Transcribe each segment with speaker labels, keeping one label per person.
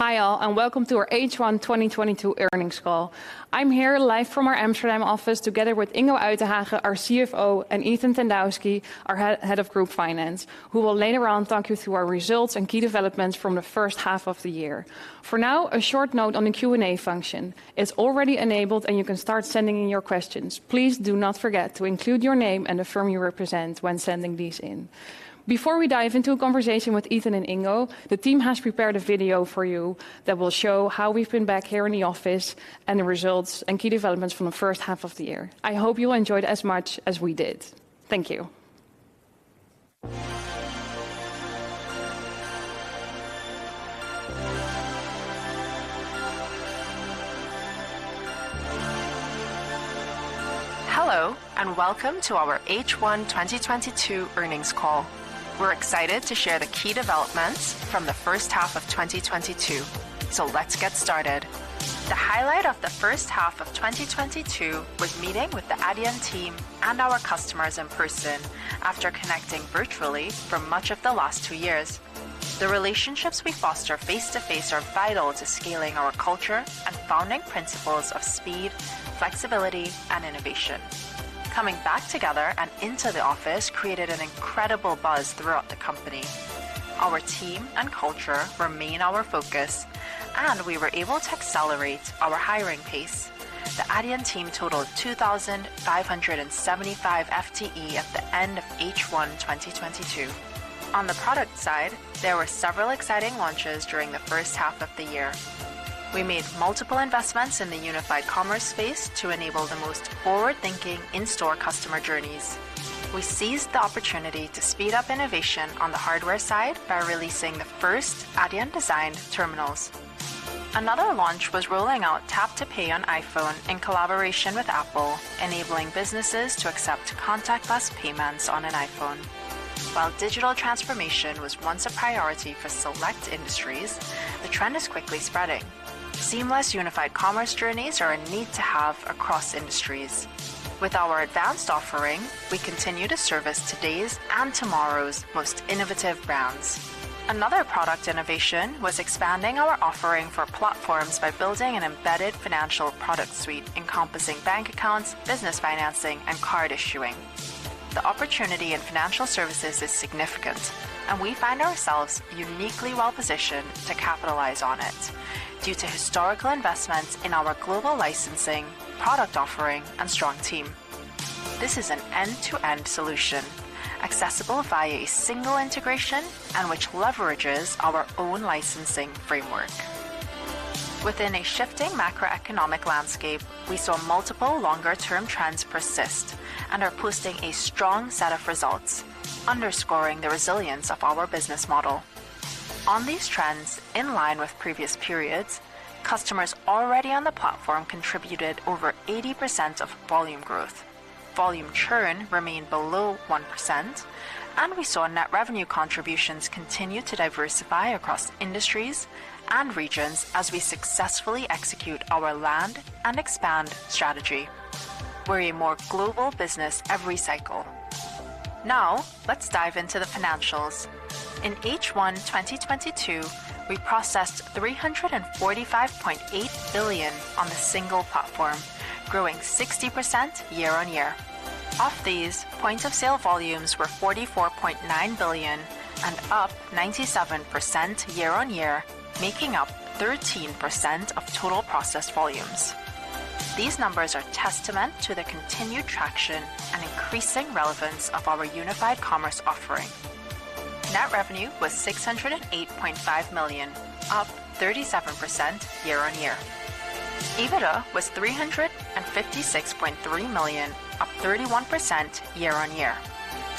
Speaker 1: Hi, all, and welcome to our H1 2022 earnings call. I'm here live from our Amsterdam office together with Ingo Uytdehaage, our CFO, and Ethan Tandowsky, our Head of Group Finance, who will later on talk you through our results and key developments from the first half of the year. For now, a short note on the Q&A function. It's already enabled, and you can start sending in your questions. Please do not forget to include your name and the firm you represent when sending these in. Before we dive into a conversation with Ethan and Ingo, the team has prepared a video for you that will show how we've been back here in the office and the results and key developments from the first half of the year. I hope you'll enjoy it as much as we did. Thank you.
Speaker 2: Hello, and welcome to our H1 2022 earnings call. We're excited to share the key developments from the first half of 2022, so let's get started. The highlight of the first half of 2022 was meeting with the Adyen team and our customers in person after connecting virtually for much of the last two years. The relationships we foster face-to-face are vital to scaling our culture and founding principles of speed, flexibility, and innovation. Coming back together and into the office created an incredible buzz throughout the company. Our team and culture remain our focus, and we were able to accelerate our hiring pace. The Adyen team totaled 2,575 FTE at the end of H1 2022. On the product side, there were several exciting launches during the first half of the year. We made multiple investments in the unified commerce space to enable the most forward-thinking in-store customer journeys. We seized the opportunity to speed up innovation on the hardware side by releasing the first Adyen-designed terminals. Another launch was rolling out Tap to Pay on iPhone in collaboration with Apple, enabling businesses to accept contactless payments on an iPhone. While digital transformation was once a priority for select industries, the trend is quickly spreading. Seamless unified commerce journeys are a need to have across industries. With our advanced offering, we continue to service today's and tomorrow's most innovative brands. Another product innovation was expanding our offering for platforms by building an embedded financial product suite encompassing bank accounts, business financing, and card issuing. The opportunity in financial services is significant, and we find ourselves uniquely well positioned to capitalize on it due to historical investments in our global licensing, product offering, and strong team. This is an end-to-end solution accessible via a single integration and which leverages our own licensing framework. Within a shifting macroeconomic landscape, we saw multiple longer term trends persist and are posting a strong set of results underscoring the resilience of our business model. On these trends, in line with previous periods, customers already on the Platform contributed over 80% of volume growth. Volume churn remained below 1%, and we saw net revenue contributions continue to diversify across industries and regions as we successfully execute our land and expand strategy. We're a more global business every cycle. Now, let's dive into the financials. In H1 2022, we processed 345.8 billion on the single platform, growing 60% year-on-year. Of these, point-of-sale volumes were 44.9 billion and up 97% year-on-year, making up 13% of total processed volumes. These numbers are testament to the continued traction and increasing relevance of our Unified Commerce offering. Net revenue was 608.5 million, up 37% year-on-year. EBITDA was 356.3 million, up 31% year-on-year.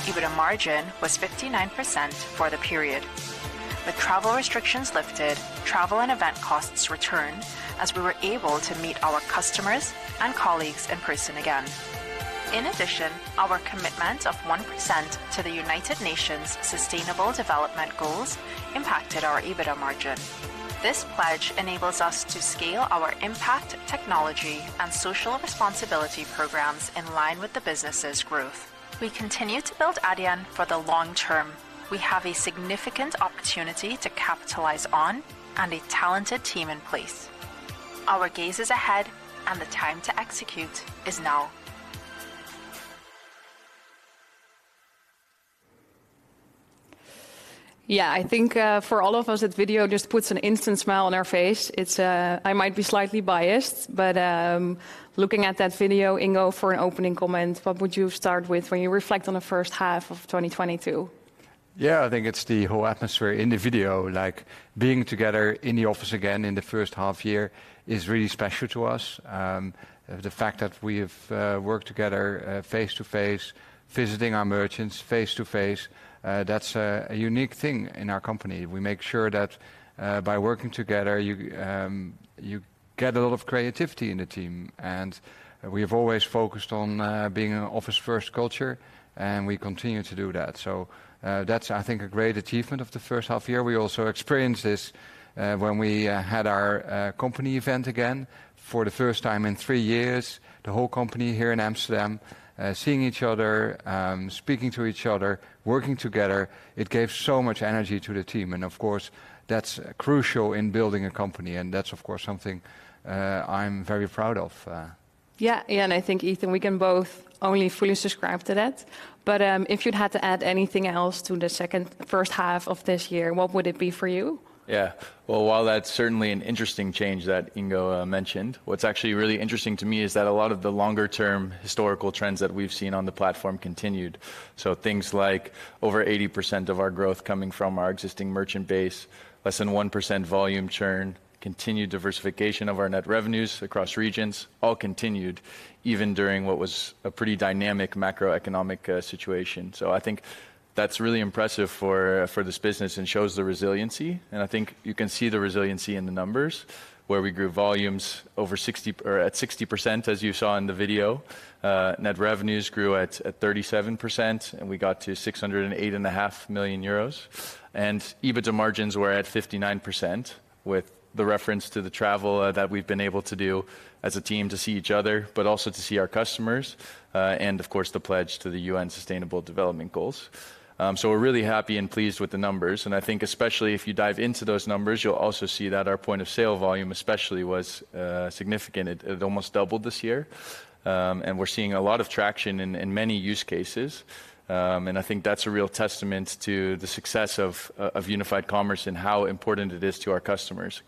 Speaker 2: EBITDA margin was 59% for the period. With travel restrictions lifted, travel and event costs returned as we were able to meet our customers and colleagues in person again. In addition, our commitment of 1% to the United Nations Sustainable Development Goals impacted our EBITDA margin. This pledge enables us to scale our impact technology and social responsibility programs in line with the business's growth. We continue to build Adyen for the long term. We have a significant opportunity to capitalize on and a talented team in place. Our gaze is ahead, and the time to execute is now.
Speaker 1: Yeah. I think, for all of us that video just puts an instant smile on our face. It's, I might be slightly biased, but, looking at that video, Ingo, for an opening comment, what would you start with when you reflect on the first half of 2022?
Speaker 3: Yeah. I think it's the whole atmosphere in the video, like being together in the office again in the first half year is really special to us. The fact that we have worked together face-to-face, visiting our merchants face-to-face, that's a unique thing in our company. We make sure that by working together you get a lot of creativity in the team, and we've always focused on being an office first culture, and we continue to do that. That's, I think, a great achievement of the first half year. We also experienced this when we had our company event again for the first time in three years, the whole company here in Amsterdam, seeing each other, speaking to each other, working together. It gave so much energy to the team, and of course, that's crucial in building a company, and that's of course something, I'm very proud of.
Speaker 1: Yeah, I think, Ethan, we can both only fully subscribe to that. If you'd had to add anything else to the first half of this year, what would it be for you?
Speaker 4: Yeah. Well, while that's certainly an interesting change that Ingo mentioned, what's actually really interesting to me is that a lot of the longer term historical trends that we've seen on the Platform continued. Things like over 80% of our growth coming from our existing merchant base, less than 1% volume churn, continued diversification of our net revenues across regions, all continued even during what was a pretty dynamic macroeconomic situation. I think that's really impressive for this business and shows the resiliency, and I think you can see the resiliency in the numbers where we grew volumes at 60% as you saw in the video. Net revenues grew at 37%, and we got to 608.5 million euros. EBITDA margins were at 59% with the reference to the travel that we've been able to do as a team to see each other, but also to see our customers, and of course the pledge to the United Nations Sustainable Development Goals. We're really happy and pleased with the numbers, and I think especially if you dive into those numbers, you'll also see that our point-of-sale volume especially was significant. It almost doubled this year. We're seeing a lot of traction in many use cases. I think that's a real testament to the success of Unified Commerce and how important it is to our customers.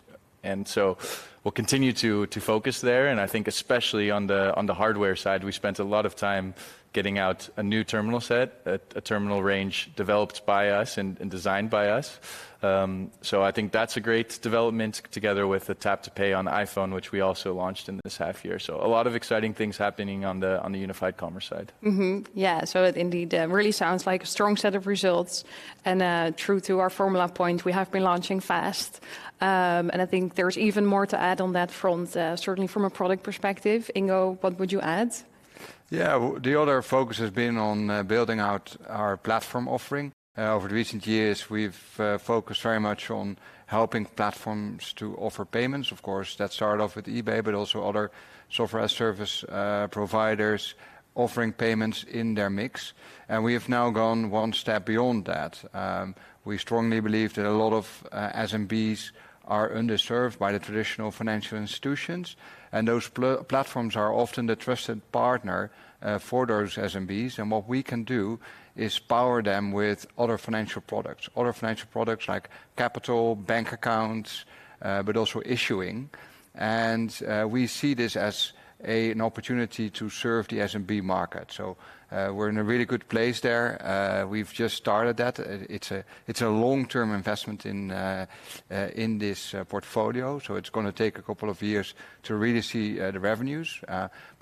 Speaker 4: We'll continue to focus there, and I think especially on the hardware side, we spent a lot of time getting out a new terminal set, a terminal range developed by us and designed by us. I think that's a great development together with the Tap to Pay on iPhone, which we also launched in this half year. A lot of exciting things happening on the Unified Commerce side.
Speaker 1: Yeah. It indeed really sounds like a strong set of results and true to our formula point, we have been launching fast. I think there's even more to add on that front, certainly from a product perspective. Ingo, what would you add?
Speaker 3: Yeah. The other focus has been on building out our Platform offering. Over the recent years we've focused very much on helping platforms to offer payments. Of course that started off with eBay, but also other SaaS providers offering payments in their mix, and we have now gone one step beyond that. We strongly believe that a lot of SMBs are underserved by the traditional financial institutions, and those platforms are often the trusted partner for those SMBs. What we can do is power them with other financial products like capital, bank accounts, but also issuing. We see this as an opportunity to serve the SMB market. We're in a really good place there. We've just started that. It's a long-term investment in this portfolio, so it's gonna take a couple of years to really see the revenues.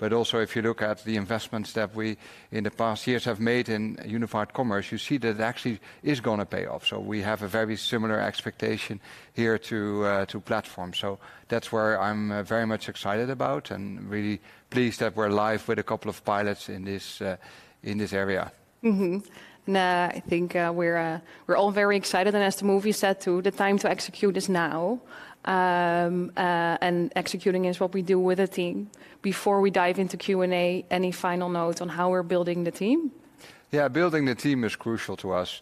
Speaker 3: Also if you look at the investments that we in the past years have made in Unified Commerce, you see that it actually is gonna pay off. We have a very similar expectation here to Platform. That's where I'm very much excited about and really pleased that we're live with a couple of pilots in this area.
Speaker 1: Yeah, I think we're all very excited and as Mo said too, the time to execute is now. Executing is what we do with a team. Before we dive into Q&A, any final notes on how we're building the team?
Speaker 3: Yeah, building the team is crucial to us.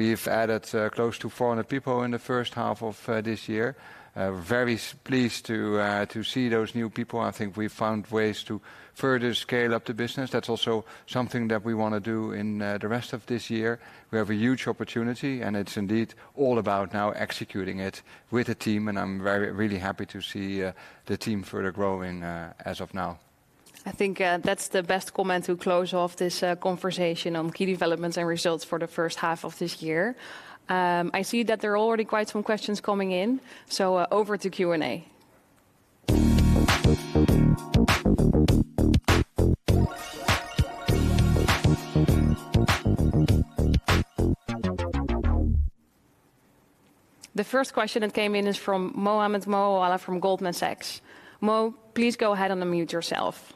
Speaker 3: We've added close to 400 people in the first half of this year. Very pleased to see those new people. I think we've found ways to further scale up the business. That's also something that we wanna do in the rest of this year. We have a huge opportunity, and it's indeed all about now executing it with a team, and I'm very, really happy to see the team further growing as of now.
Speaker 1: I think that's the best comment to close off this conversation on key developments and results for the first half of this year. I see that there are already quite some questions coming in, so over to Q&A. The first question that came in is from Mohammed Moawalla from Goldman Sachs. Mo, please go ahead and unmute yourself.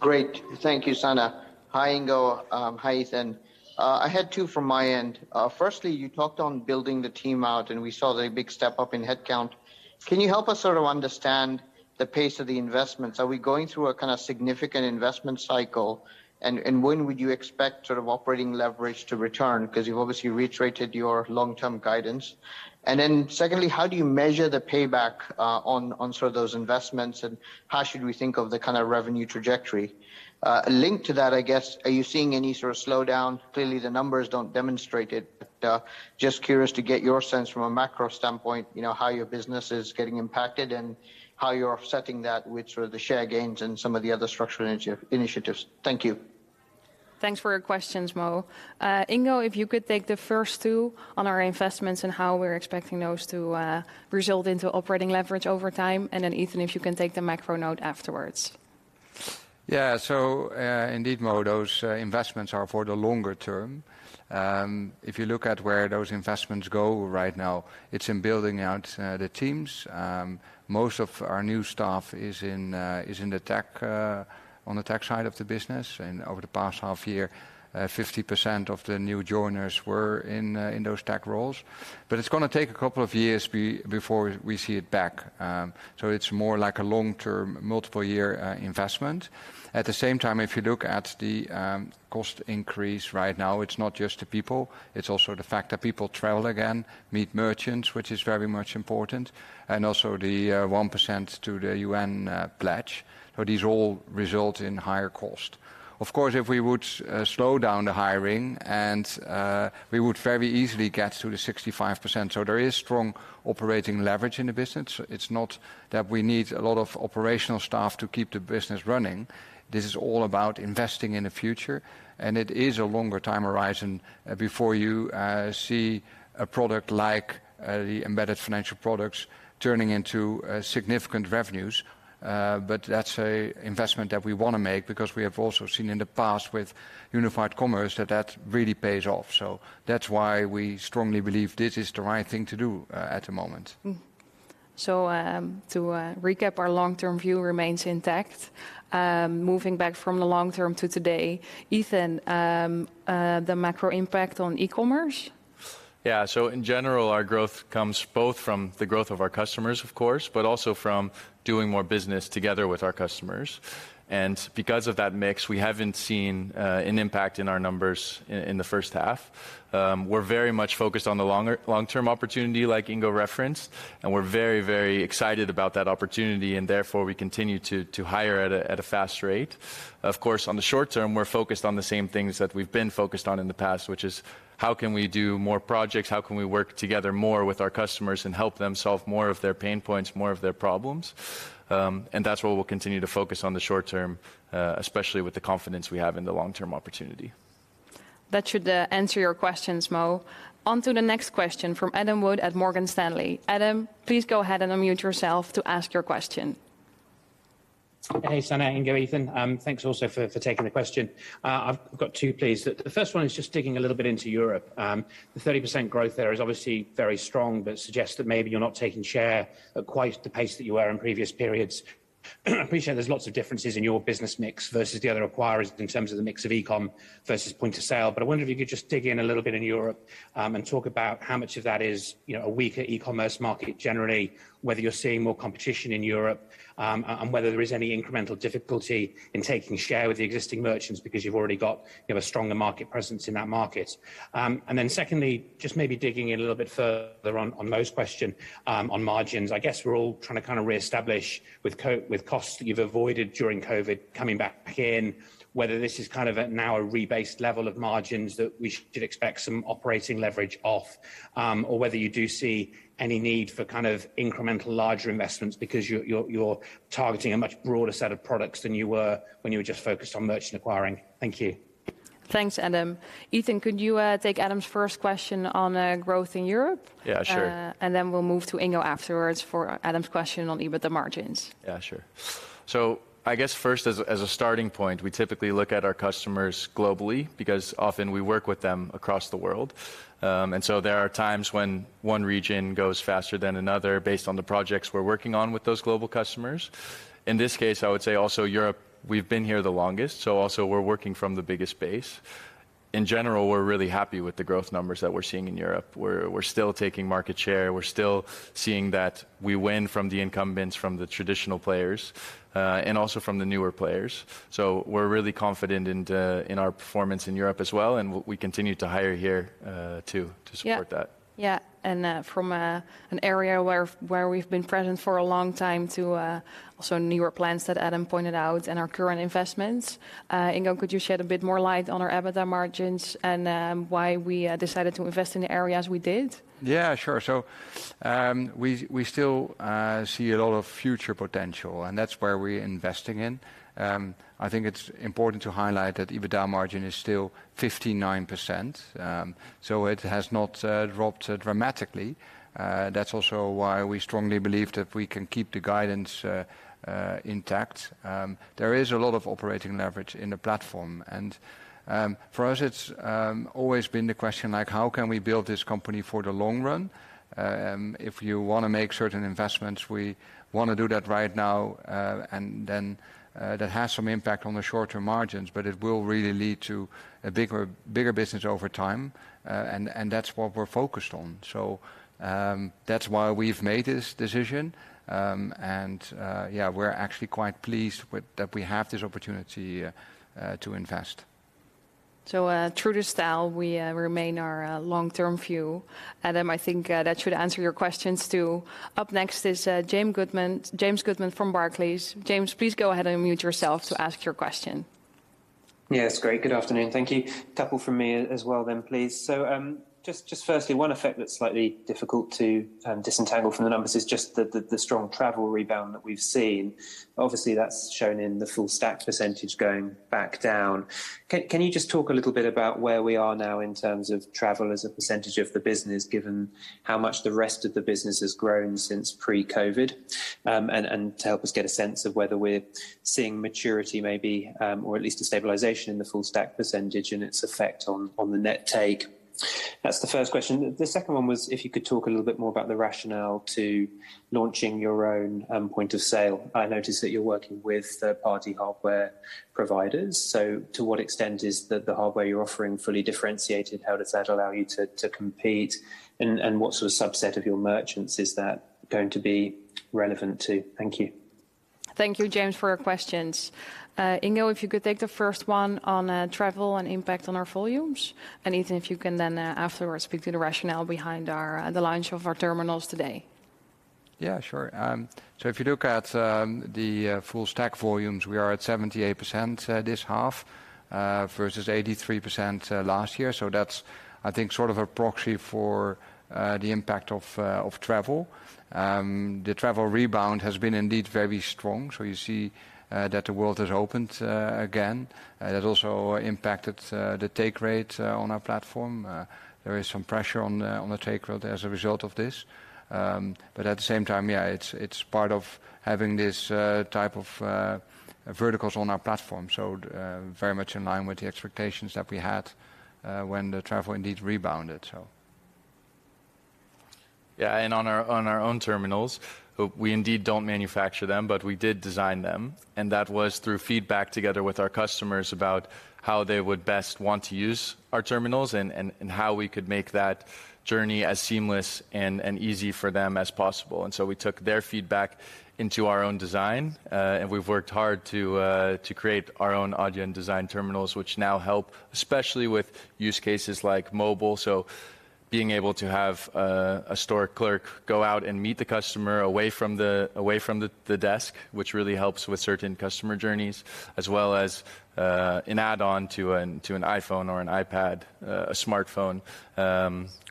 Speaker 5: Great. Thank you, Sanne. Hi, Ingo. Hi, Ethan. I had two from my end. Firstly, you talked on building the team out and we saw the big step up in head count. Can you help us sort of understand the pace of the investments? Are we going through a kind of significant investment cycle? And when would you expect sort of operating leverage to return? 'Cause you've obviously reiterated your long-term guidance. And then secondly, how do you measure the payback on those investments, and how should we think of the kind of revenue trajectory? Linked to that I guess, are you seeing any sort of slowdown? Clearly the numbers don't demonstrate it, but just curious to get your sense from a macro standpoint, you know, how your business is getting impacted and how you're offsetting that with sort of the share gains and some of the other structural initiatives. Thank you.
Speaker 1: Thanks for your questions, Mo. Ingo, if you could take the first two on our investments and how we're expecting those to result into operating leverage over time, and then Ethan, if you can take the macro note afterwards.
Speaker 3: Yeah. Indeed, Mo, those investments are for the longer term. If you look at where those investments go right now, it's in building out the teams. Most of our new staff is in the tech on the tech side of the business. Over the past half year, 50% of the new joiners were in those tech roles. It's gonna take a couple of years before we see it back. It's more like a long-term, multiple year investment. At the same time, if you look at the cost increase right now, it's not just the people, it's also the fact that people travel again, meet merchants, which is very much important, and also the 1% to the UN pledge. These all result in higher cost. Of course, if we would slow down the hiring and we would very easily get to the 65%. There is strong operating leverage in the business. It's not that we need a lot of operational staff to keep the business running. This is all about investing in the future, and it is a longer time horizon before you see a product like the embedded financial products turning into significant revenues. That's an investment that we wanna make because we have also seen in the past with unified commerce that that really pays off. That's why we strongly believe this is the right thing to do at the moment.
Speaker 1: To recap, our long-term view remains intact. Moving back from the long-term to today, Ethan, the macro impact on e-commerce.
Speaker 4: Yeah. In general, our growth comes both from the growth of our customers, of course, but also from doing more business together with our customers. Because of that mix, we haven't seen an impact in our numbers in the first half. We're very much focused on the long-term opportunity like Ingo referenced, and we're very, very excited about that opportunity, and therefore we continue to hire at a fast rate. Of course, on the short term, we're focused on the same things that we've been focused on in the past, which is how can we do more projects? How can we work together more with our customers and help them solve more of their pain points, more of their problems? That's where we'll continue to focus on the short term, especially with the confidence we have in the long-term opportunity.
Speaker 1: That should answer your questions, Mo. On to the next question from Adam Wood at Morgan Stanley. Adam, please go ahead and unmute yourself to ask your question.
Speaker 6: Hey, Sanne, Ingo, Ethan. Thanks also for taking the question. I've got two, please. The first one is just digging a little bit into Europe. The 30% growth there is obviously very strong, but suggests that maybe you're not taking share at quite the pace that you were in previous periods. I appreciate there's lots of differences in your business mix versus the other acquirers in terms of the mix of e-com versus point-of-sale. I wonder if you could just dig in a little bit in Europe, and talk about how much of that is, you know, a weaker e-commerce market generally, whether you're seeing more competition in Europe, and whether there is any incremental difficulty in taking share with the existing merchants because you've already got, you know, a stronger market presence in that market. Secondly, just maybe digging in a little bit further on Mo's question, on margins. I guess we're all trying to kind of reestablish with costs that you've avoided during COVID coming back in, whether this is kind of at now a rebased level of margins that we should expect some operating leverage off, or whether you do see any need for kind of incremental larger investments because you're targeting a much broader set of products than you were when you were just focused on merchant acquiring. Thank you.
Speaker 1: Thanks, Adam. Ethan, could you take Adam's first question on growth in Europe?
Speaker 4: Yeah, sure.
Speaker 1: We'll move to Ingo afterwards for Adam's question on EBITDA margins.
Speaker 4: Yeah, sure. I guess first as a starting point, we typically look at our customers globally because often we work with them across the world. There are times when one region goes faster than another based on the projects we're working on with those global customers. In this case, I would say also Europe, we've been here the longest, so also we're working from the biggest base. In general, we're really happy with the growth numbers that we're seeing in Europe. We're still taking market share. We're still seeing that we win from the incumbents, from the traditional players, and also from the newer players. We're really confident in our performance in Europe as well, and we continue to hire here, too, to support that.
Speaker 1: Yeah. Yeah. From an area where we've been present for a long time to also newer plans that Adam pointed out and our current investments. Ingo, could you shed a bit more light on our EBITDA margins and why we decided to invest in the areas we did?
Speaker 3: Yeah, sure. We still see a lot of future potential, and that's where we're investing in. I think it's important to highlight that EBITDA margin is still 59%, so it has not dropped dramatically. That's also why we strongly believe that we can keep the guidance intact. There is a lot of operating leverage in the Platform. For us, it's always been the question, like, how can we build this company for the long run? If you wanna make certain investments, we wanna do that right now. Then, that has some impact on the short-term margins, but it will really lead to a bigger business over time. That's what we're focused on. That's why we've made this decision. We're actually quite pleased with that we have this opportunity to invest.
Speaker 1: True to style, we remain our long-term view. Adam, I think that should answer your questions too. Up next is James Goodman. James Goodman from Barclays. James, please go ahead and unmute yourself to ask your question.
Speaker 7: Yes. Great. Good afternoon. Thank you. A couple from me as well then, please. Just firstly, one effect that's slightly difficult to disentangle from the numbers is just the strong travel rebound that we've seen. Obviously, that's shown in the full stack percentage going back down. Can you just talk a little bit about where we are now in terms of travel as a percentage of the business, given how much the rest of the business has grown since pre-COVID? To help us get a sense of whether we're seeing maturity maybe, or at least a stabilization in the full stack percentage and its effect on the net take. That's the first question. The second one was if you could talk a little bit more about the rationale to launching your own point-of-sale. I noticed that you're working with third party hardware providers, so to what extent is the hardware you're offering fully differentiated? How does that allow you to compete? And what sort of subset of your merchants is that going to be relevant to? Thank you.
Speaker 1: Thank you, James, for your questions. Ingo, if you could take the first one on travel and impact on our volumes. Ethan, if you can then afterwards speak to the rationale behind the launch of our terminals today.
Speaker 3: Yeah, sure. If you look at the full stack volumes, we are at 78%, this half, versus 83%, last year. That's, I think, sort of a proxy for the impact of travel. The travel rebound has been indeed very strong, so you see that the world has opened again. That also impacted the take rate on our Platform. There is some pressure on the take rate as a result of this. But at the same time, yeah, it's part of having this type of verticals on our Platform. Very much in line with the expectations that we had when the travel indeed rebounded.
Speaker 4: Yeah. On our own terminals, we indeed don't manufacture them, but we did design them. That was through feedback together with our customers about how they would best want to use our terminals and how we could make that journey as seamless and easy for them as possible. We took their feedback into our own design. We've worked hard to create our own Adyen design terminals, which now help, especially with use cases like mobile. Being able to have a store clerk go out and meet the customer away from the desk, which really helps with certain customer journeys, as well as an add-on to an iPhone or an iPad, a smartphone,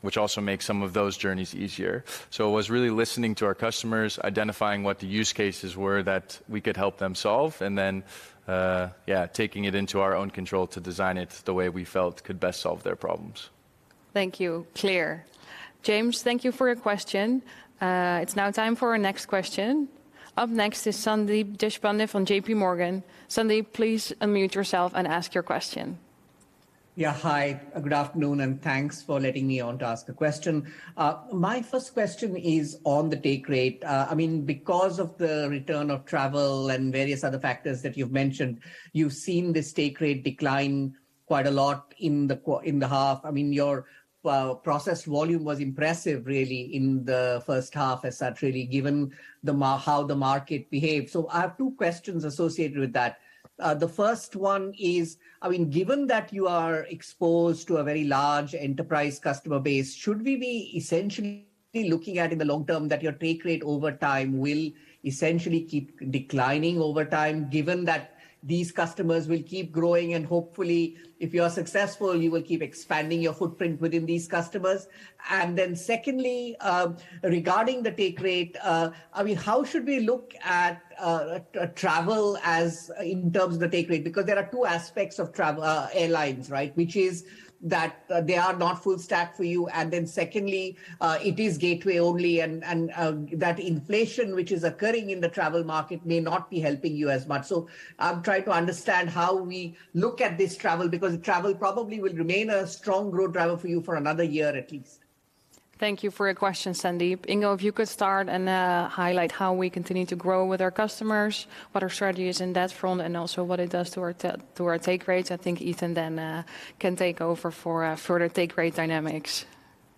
Speaker 4: which also makes some of those journeys easier. It was really listening to our customers, identifying what the use cases were that we could help them solve, and then, yeah, taking it into our own control to design it the way we felt could best solve their problems.
Speaker 1: Thank you. Clear. James, thank you for your question. It's now time for our next question. Up next is Sandeep Deshpande from JPMorgan. Sandeep, please unmute yourself and ask your question.
Speaker 8: Yeah. Hi, good afternoon, and thanks for letting me on to ask a question. My first question is on the take rate. I mean, because of the return of travel and various other factors that you've mentioned, you've seen this take rate decline quite a lot in the half. I mean, your processing volume was impressive, really, in the first half, given how the market behaved. I have two questions associated with that. The first one is, I mean, given that you are exposed to a very large enterprise customer base, should we be essentially looking at in the long term that your take rate over time will essentially keep declining over time, given that these customers will keep growing, and hopefully, if you are successful, you will keep expanding your footprint within these customers? Secondly, regarding the take rate, I mean, how should we look at travel in terms of the take rate? Because there are two aspects of travel, airlines, right? Which is that they are not full stack for you. It is gateway only and that inflation which is occurring in the travel market may not be helping you as much. I'm trying to understand how we look at this travel, because travel probably will remain a strong growth driver for you for another year at least.
Speaker 1: Thank you for your question, Sandeep. Ingo, if you could start and highlight how we continue to grow with our customers, what our strategy is in that front, and also what it does to our take rates. I think Ethan then can take over for further take rate dynamics.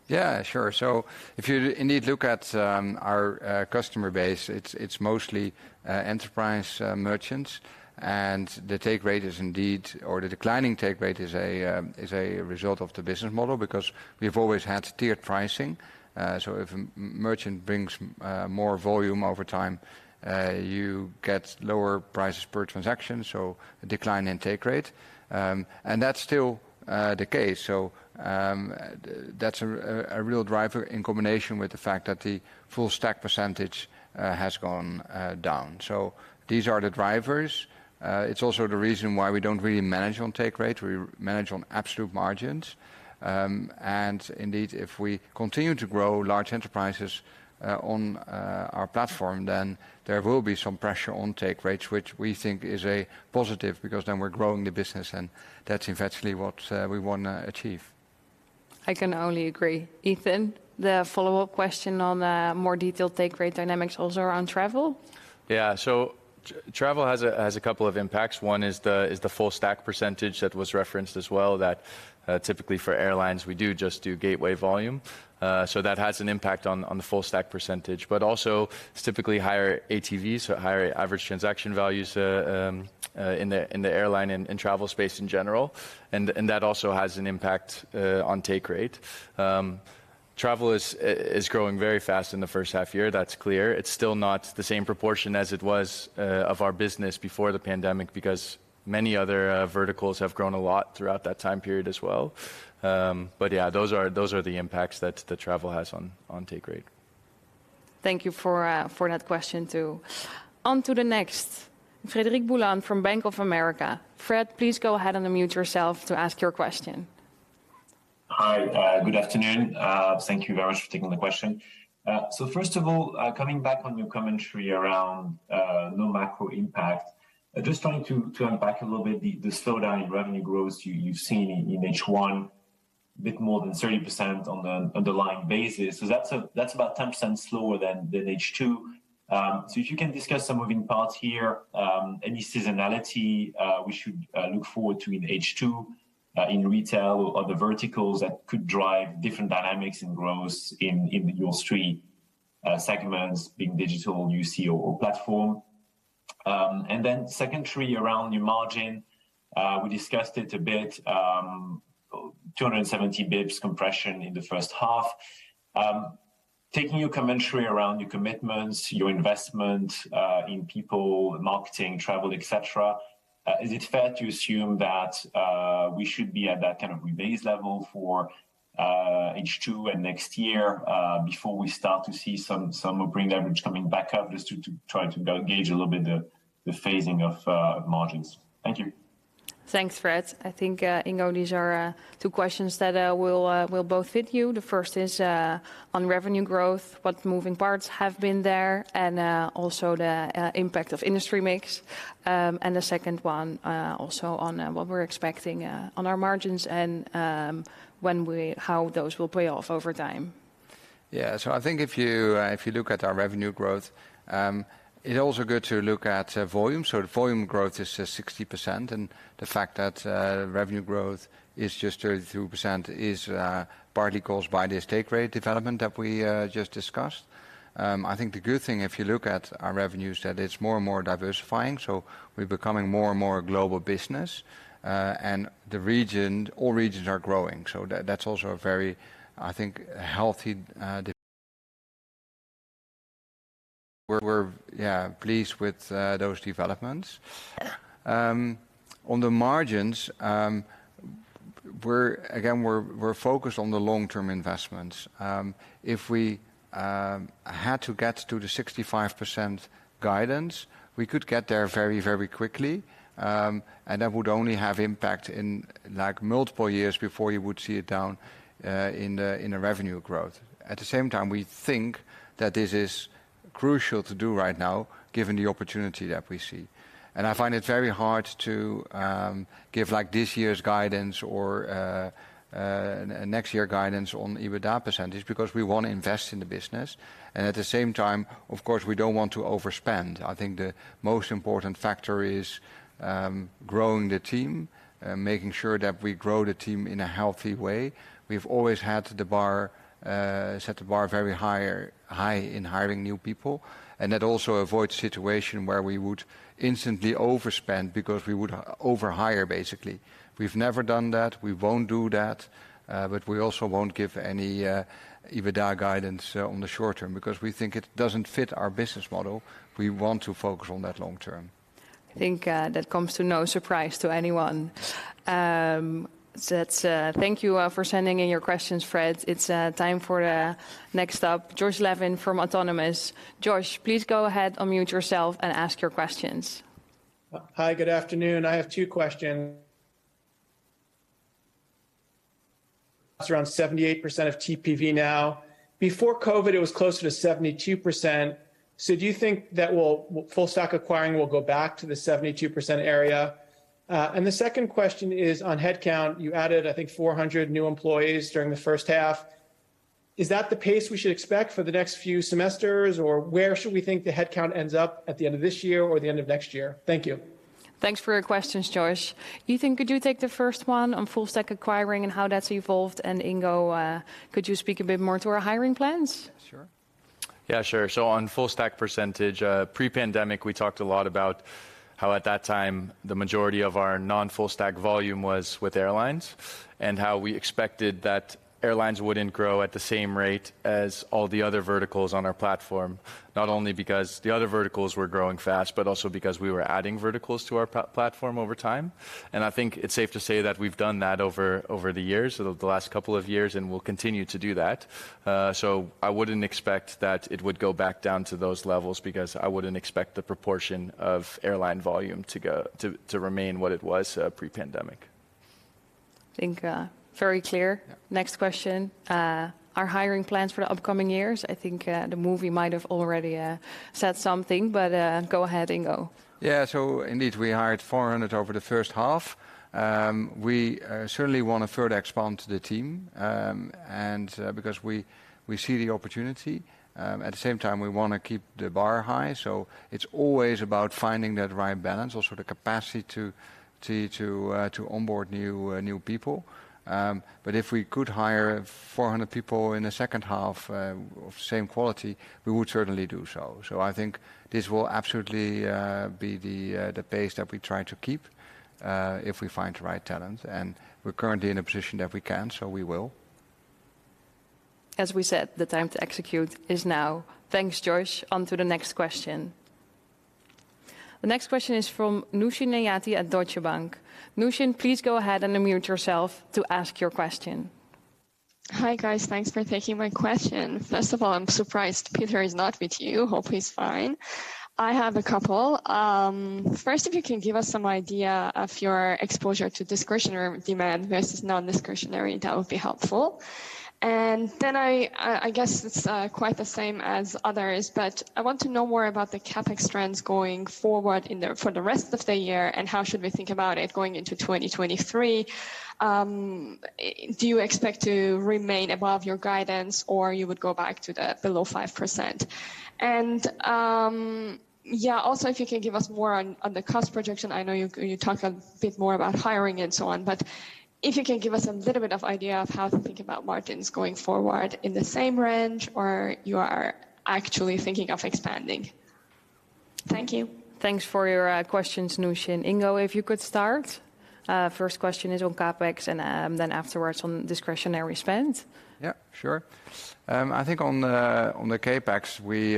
Speaker 3: Yeah, sure. If you indeed look at our customer base, it's mostly enterprise merchants, and the take rate is indeed, or the declining take rate is a result of the business model because we've always had tiered pricing. If a merchant brings more volume over time, you get lower prices per transaction, so a decline in take rate. That's still the case. That's a real driver in combination with the fact that the full stack percentage has gone down. These are the drivers. It's also the reason why we don't really manage on take rate. We manage on absolute margins. If we continue to grow large enterprises on our Platform, then there will be some pressure on take rates, which we think is a positive because then we're growing the business, and that's eventually what we wanna achieve.
Speaker 1: I can only agree. Ethan, the follow-up question on, more detailed take rate dynamics also around travel.
Speaker 4: Yeah. Travel has a couple of impacts. One is the full stack percentage that was referenced as well, that typically for airlines, we do just do gateway volume. That has an impact on the full stack percentage. Also it's typically higher ATVs, so higher average transaction values, in the airline and travel space in general, and that also has an impact on take rate. Travel is growing very fast in the first half year, that's clear. It's still not the same proportion as it was of our business before the pandemic because many other verticals have grown a lot throughout that time period as well. Yeah, those are the impacts that travel has on take rate.
Speaker 1: Thank you for that question too. On to the next, Frederic Boulan from Bank of America. Fred, please go ahead and unmute yourself to ask your question.
Speaker 9: Hi. Good afternoon. Thank you very much for taking the question. First of all, coming back on your commentary around no macro impact, just trying to unpack a little bit the slowdown in revenue growth you've seen in H1 bit more than 30% on the underlying basis. That's about 10% slower than H2. If you can discuss some moving parts here, any seasonality we should look forward to in H2, in retail or other verticals that could drive different dynamics and growth in your three segments, being Digital, UCO or Platform. Secondly around your margin, we discussed it a bit, 270 basis points compression in the first half. Taking your commentary around your commitments, your investment in people, marketing, travel, et cetera, is it fair to assume that we should be at that kind of rebase level for H2 and next year before we start to see some operating leverage coming back up, just to try to gauge a little bit the phasing of margins? Thank you.
Speaker 1: Thanks, Fred. I think, Ingo, these are two questions that will both fit you. The first is on revenue growth, what moving parts have been there, and also the impact of industry mix. The second one also on what we're expecting on our margins and how those will pay off over time.
Speaker 3: I think if you look at our revenue growth, it's also good to look at volume. The volume growth is 60%, and the fact that revenue growth is just 32% is partly caused by the take rate development that we just discussed. I think the good thing if you look at our revenues, that it's more and more diversifying, so we're becoming more and more a global business. All regions are growing. That's also a very healthy development. We're pleased with those developments. On the margins, we're again focused on the long-term investments. If we had to get to the 65% guidance, we could get there very, very quickly, and that would only have impact in, like, multiple years before you would see it down in the revenue growth. At the same time, we think that this is crucial to do right now given the opportunity that we see. I find it very hard to give, like, this year's guidance or next year guidance on EBITDA percentage because we wanna invest in the business, and at the same time, of course, we don't want to overspend. I think the most important factor is growing the team, making sure that we grow the team in a healthy way. We've always had the bar set very high in hiring new people, and that also avoids situation where we would instantly overspend because we would over-hire, basically. We've never done that. We won't do that. We also won't give any EBITDA guidance on the short term because we think it doesn't fit our business model. We want to focus on that long term.
Speaker 1: I think that comes to no surprise to anyone. Let's thank you for sending in your questions, Fred. It's time for the next up, Josh Levin from Autonomous. Josh, please go ahead, unmute yourself, and ask your questions.
Speaker 10: Hi, good afternoon. I have two questions. It's around 78% of TPV now. Before COVID, it was closer to 72%. Do you think that full stack acquiring will go back to the 72% area? The second question is on headcount. You added, I think, 400 new employees during the first half. Is that the pace we should expect for the next few semesters, or where should we think the headcount ends up at the end of this year or the end of next year? Thank you.
Speaker 1: Thanks for your questions, Josh. Ethan, could you take the first one on full stack acquiring and how that's evolved, and Ingo, could you speak a bit more to our hiring plans?
Speaker 3: Sure.
Speaker 4: Yeah, sure. On full stack percentage, pre-pandemic, we talked a lot about how at that time the majority of our non-full stack volume was with airlines and how we expected that airlines wouldn't grow at the same rate as all the other verticals on our Platform, not only because the other verticals were growing fast, but also because we were adding verticals to our Platform over time. I think it's safe to say that we've done that over the years, so the last couple of years, and we'll continue to do that. I wouldn't expect that it would go back down to those levels because I wouldn't expect the proportion of airline volume to remain what it was, pre-pandemic.
Speaker 1: I think, very clear.
Speaker 4: Yeah.
Speaker 1: Next question. Our hiring plans for the upcoming years, I think, the movie might have already said something, but go ahead, Ingo.
Speaker 3: Yeah. Indeed, we hired 400 over the first half. We certainly want to further expand the team, and because we see the opportunity. At the same time, we want to keep the bar high. It's always about finding that right balance, also the capacity to onboard new people. If we could hire 400 people in the second half of same quality, we would certainly do so. I think this will absolutely be the pace that we try to keep if we find the right talent. We're currently in a position that we can, so we will.
Speaker 1: As we said, the time to execute is now. Thanks, Josh. On to the next question. The next question is from Nooshin Nejati at Deutsche Bank. Nooshin, please go ahead and unmute yourself to ask your question.
Speaker 11: Hi, guys. Thanks for taking my question. First of all, I'm surprised Peter is not with you. Hope he's fine. I have a couple. First, if you can give us some idea of your exposure to discretionary demand versus non-discretionary, that would be helpful. I guess it's quite the same as others, but I want to know more about the CapEx trends going forward for the rest of the year and how should we think about it going into 2023. Do you expect to remain above your guidance or you would go back to below 5%? Also, if you can give us more on the cost projection. I know you talked a bit more about hiring and so on, but if you can give us a little bit of idea of how to think about margins going forward, in the same range or you are actually thinking of expanding. Thank you.
Speaker 1: Thanks for your questions, Nooshin. Ingo, if you could start. First question is on CapEx and then afterwards on discretionary spend.
Speaker 3: Yeah, sure. I think on the CapEx, we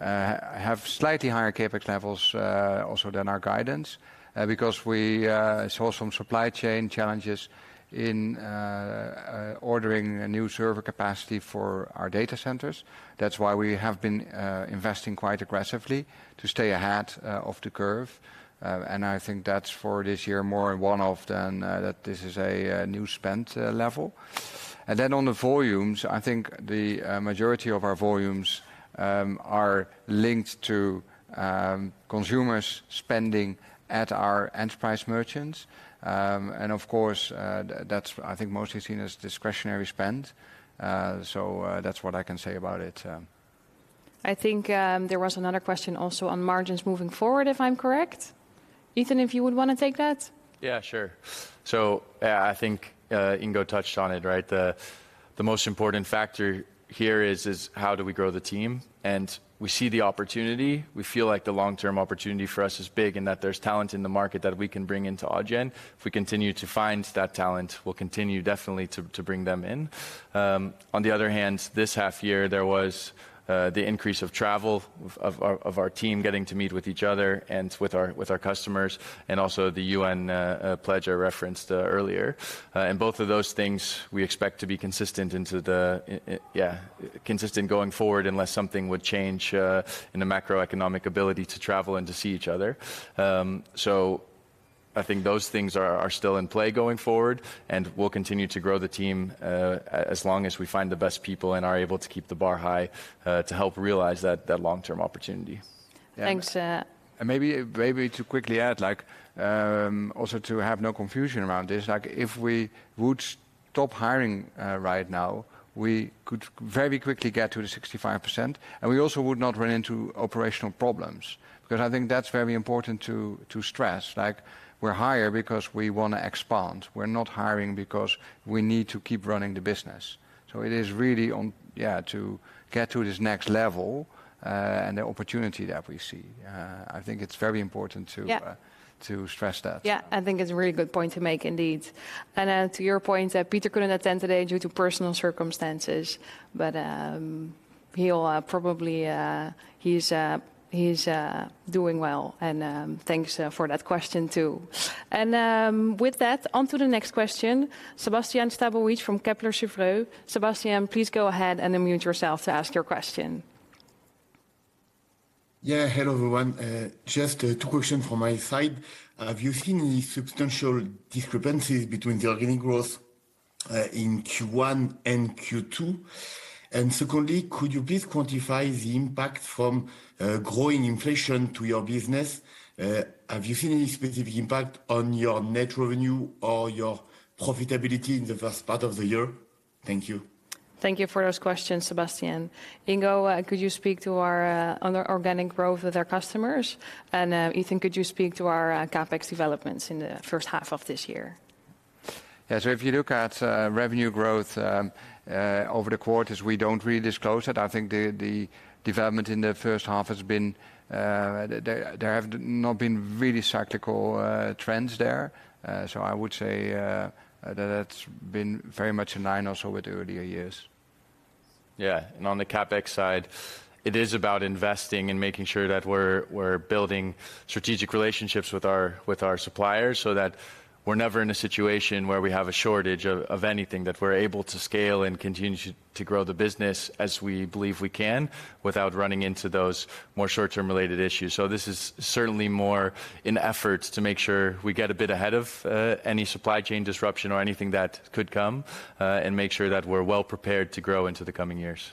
Speaker 3: have slightly higher CapEx levels also than our guidance because we saw some supply chain challenges in ordering a new server capacity for our data centers. That's why we have been investing quite aggressively to stay ahead of the curve. I think that's for this year more a one-off than that this is a new spend level. On the volumes, I think the majority of our volumes are linked to consumers spending at our enterprise merchants. Of course, that's, I think, mostly seen as discretionary spend. That's what I can say about it.
Speaker 1: I think, there was another question also on margins moving forward, if I'm correct. Ethan, if you would wanna take that.
Speaker 4: Yeah, sure. Yeah, I think Ingo touched on it, right? The most important factor here is how do we grow the team? We see the opportunity. We feel like the long-term opportunity for us is big and that there's talent in the market that we can bring into Adyen. If we continue to find that talent, we'll continue definitely to bring them in. On the other hand, this half year, there was the increase of travel of our team getting to meet with each other and with our customers, and also the UN pledge I referenced earlier. Both of those things we expect to be consistent going forward, unless something would change in the macroeconomic ability to travel and to see each other. I think those things are still in play going forward, and we'll continue to grow the team as long as we find the best people and are able to keep the bar high to help realize that long-term opportunity.
Speaker 1: Thanks.
Speaker 3: Maybe to quickly add, like, also to have no confusion around this, like if we would stop hiring right now, we could very quickly get to the 65%, and we also would not run into operational problems. Because I think that's very important to stress. Like, we're hiring because we wanna expand. We're not hiring because we need to keep running the business. So it is really on, yeah, to get to this next level, and the opportunity that we see. I think it's very important to
Speaker 1: Yeah
Speaker 3: to stress that.
Speaker 1: Yeah, I think it's a really good point to make indeed. To your point, Peter couldn't attend today due to personal circumstances, but he'll probably. He's doing well, and thanks for that question too. With that, on to the next question. Sébastien Sztabowicz from Kepler Cheuvreux. Sébastien, please go ahead and unmute yourself to ask your question.
Speaker 12: Yeah. Hello, everyone. Just two questions from my side. Have you seen any substantial discrepancies between the organic growth in Q1 and Q2? Secondly, could you please quantify the impact from growing inflation to your business? Have you seen any specific impact on your net revenue or your profitability in the first part of the year? Thank you.
Speaker 1: Thank you for those questions, Sébastien. Ingo, could you speak to the organic growth of our customers? Ethan, could you speak to our CapEx developments in the first half of this year?
Speaker 3: Yeah. If you look at revenue growth over the quarters, we don't really disclose it. I think the development in the first half has been. There have not been really cyclical trends there. I would say that that's been very much in line also with earlier years.
Speaker 4: Yeah. On the CapEx side, it is about investing and making sure that we're building strategic relationships with our suppliers so that we're never in a situation where we have a shortage of anything, that we're able to scale and continue to grow the business as we believe we can without running into those more short-term related issues. This is certainly more an effort to make sure we get a bit ahead of any supply chain disruption or anything that could come, and make sure that we're well prepared to grow into the coming years.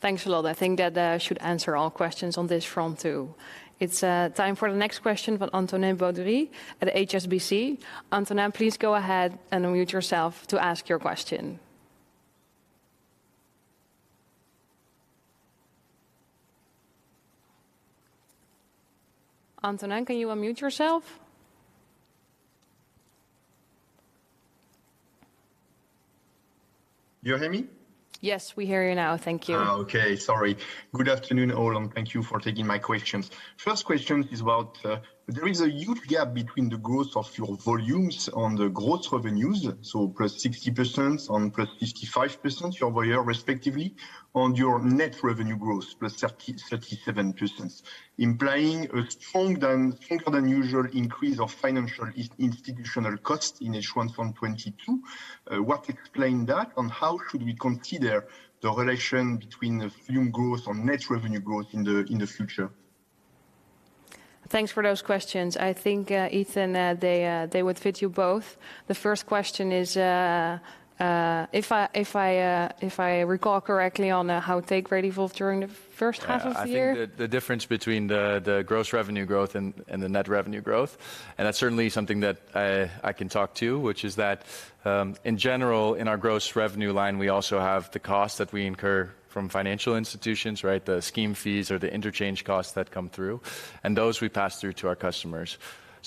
Speaker 1: Thanks a lot. I think that should answer all questions on this front too. It's time for the next question from Antonin Baudry at HSBC. Antonin, please go ahead and unmute yourself to ask your question. Antonin, can you unmute yourself?
Speaker 13: You hear me?
Speaker 1: Yes, we hear you now. Thank you.
Speaker 13: Sorry. Good afternoon, all, and thank you for taking my questions. First question is about there is a huge gap between the growth of your volumes on the growth revenues, so +60% on +55% year-over-year respectively, on your net revenue growth, +37%, implying a stronger than usual increase of financial institutional costs in H1 2022. What explain that, and how should we consider the relation between the volume growth or net revenue growth in the future?
Speaker 1: Thanks for those questions. I think, Ethan, they would fit you both. The first question is, if I recall correctly on how take rate evolved during the first half of the year.
Speaker 4: Yeah. I think the difference between the gross revenue growth and the net revenue growth, and that's certainly something that I can talk to, which is that, in general, in our gross revenue line, we also have the cost that we incur from financial institutions, right? The scheme fees or the interchange costs that come through, and those we pass through to our customers.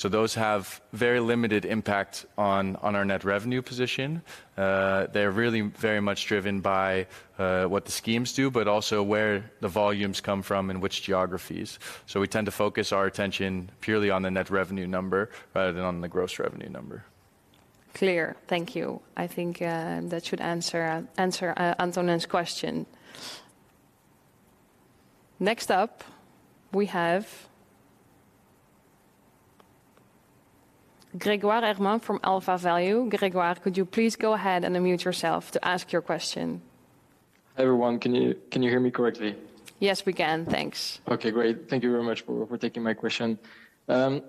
Speaker 4: Those have very limited impact on our net revenue position. They're really very much driven by what the schemes do, but also where the volumes come from and which geographies. We tend to focus our attention purely on the net revenue number rather than on the gross revenue number.
Speaker 1: Clear. Thank you. I think that should answer Antonin's question. Next up, we have Gregoire Armand from AlphaValue. Gregoire, could you please go ahead and unmute yourself to ask your question?
Speaker 14: Hi, everyone. Can you hear me correctly?
Speaker 1: Yes, we can. Thanks.
Speaker 14: Okay, great. Thank you very much for taking my question.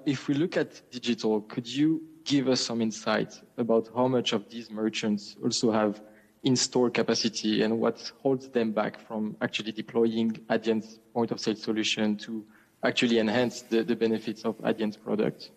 Speaker 14: If we look at Digital, could you give us some insight about how much of these merchants also have in-store capacity, and what holds them back from actually deploying Adyen's point-of-sale solution to actually enhance the benefits of Adyen's product?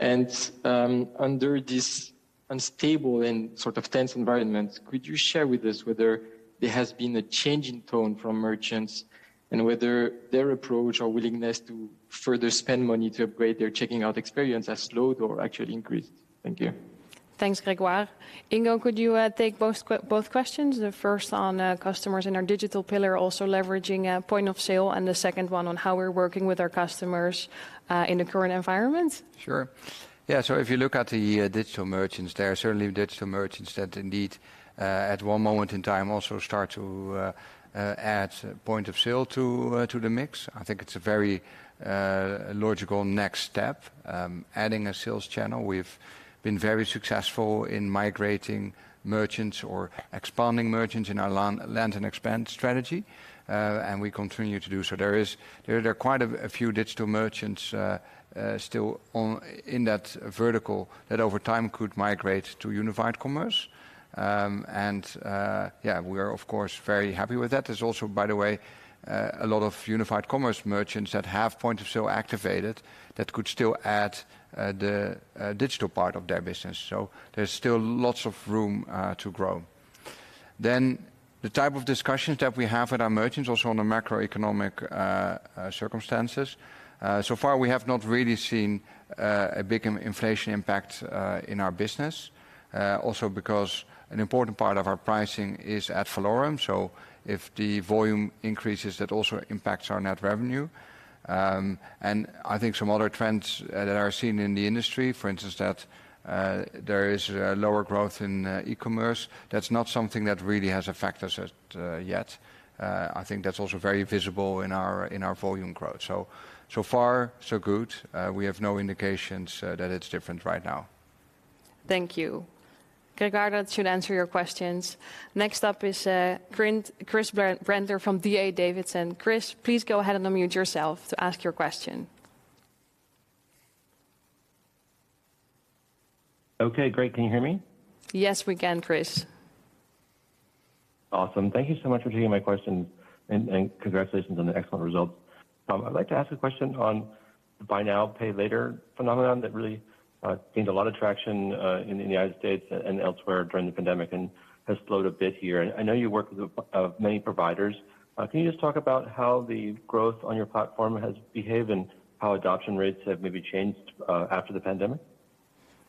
Speaker 14: Under this unstable and sort of tense environment, could you share with us whether there has been a change in tone from merchants, and whether their approach or willingness to further spend money to upgrade their checking out experience has slowed or actually increased? Thank you.
Speaker 1: Thanks, Gregoire. Ingo, could you take both questions, the first on customers in our digital pillar also leveraging point-of-sale, and the second one on how we're working with our customers in the current environment?
Speaker 3: Sure. Yeah. If you look at the digital merchants, there are certainly digital merchants that indeed at one moment in time also start to add point-of-sale to the mix. I think it's a very logical next step, adding a sales channel. We've been very successful in migrating merchants or expanding merchants in our land and expand strategy, and we continue to do so. There are quite a few digital merchants still in that vertical that over time could migrate to Unified Commerce. Yeah, we are of course very happy with that. There's also, by the way, a lot of unified commerce merchants that have point-of-sale activated that could still add the digital part of their business. There's still lots of room to grow. The type of discussions that we have with our merchants also on the macroeconomic circumstances, so far we have not really seen a big inflation impact in our business, also because an important part of our pricing is ad valorem, so if the volume increases, that also impacts our net revenue. I think some other trends that are seen in the industry, for instance, that there is lower growth in e-commerce, that's not something that really has affected us yet. I think that's also very visible in our volume growth. So far so good. We have no indications that it's different right now.
Speaker 1: Thank you. Gregoire, that should answer your questions. Next up is Chris Brendler from D.A. Davidson. Chris, please go ahead and unmute yourself to ask your question.
Speaker 15: Okay, great. Can you hear me?
Speaker 1: Yes, we can, Chris.
Speaker 15: Awesome. Thank you so much for taking my question, and congratulations on the excellent results. I'd like to ask a question on the buy now, pay later phenomenon that really gained a lot of traction in the United States and elsewhere during the pandemic and has slowed a bit here. I know you work with many providers. Can you just talk about how the growth on your Platform has behaved and how adoption rates have maybe changed after the pandemic?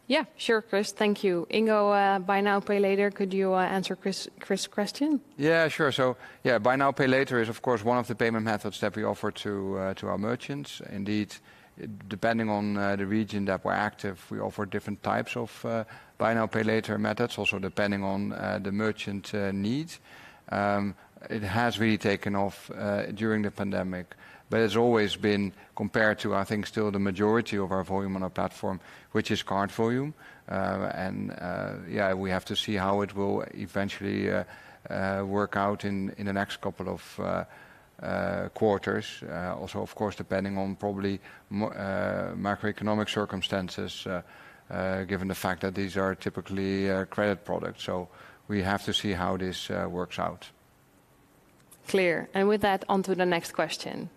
Speaker 1: Yeah. Sure, Chris. Thank you. Ingo, buy now, pay later, could you answer Chris's question?
Speaker 3: Yeah, sure. Yeah, buy now, pay later is of course one of the payment methods that we offer to our merchants. Indeed, depending on the region that we're active, we offer different types of buy now, pay later methods, also depending on the merchant needs. It has really taken off during the pandemic, but it's always been compared to, I think, still the majority of our volume on our Platform, which is card volume. Yeah, we have to see how it will eventually work out in the next couple of quarters. Also of course depending on probably macroeconomic circumstances, given the fact that these are typically credit products. We have to see how this works out.
Speaker 1: Clear. With that, on to the next question.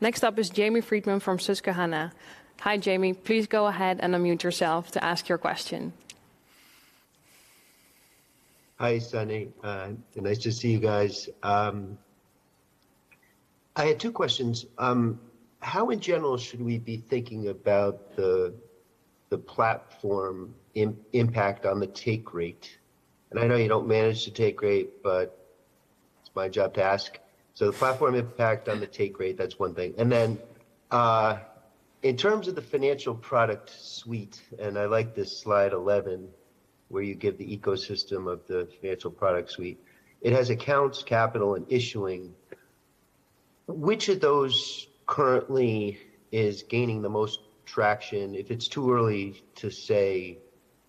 Speaker 1: Next up is Jamie Friedman from Susquehanna. Hi, Jamie. Please go ahead and unmute yourself to ask your question.
Speaker 16: Hi, Sanne. Nice to see you guys. I had two questions. How in general should we be thinking about the Platform impact on the take rate? I know you don't manage the take rate, but it's my job to ask. The Platform impact on the take rate, that's one thing. In terms of the financial product suite, I like this slide 11 where you give the ecosystem of the financial product suite. It has accounts, capital, and issuing. Which of those currently is gaining the most traction? If it's too early to say,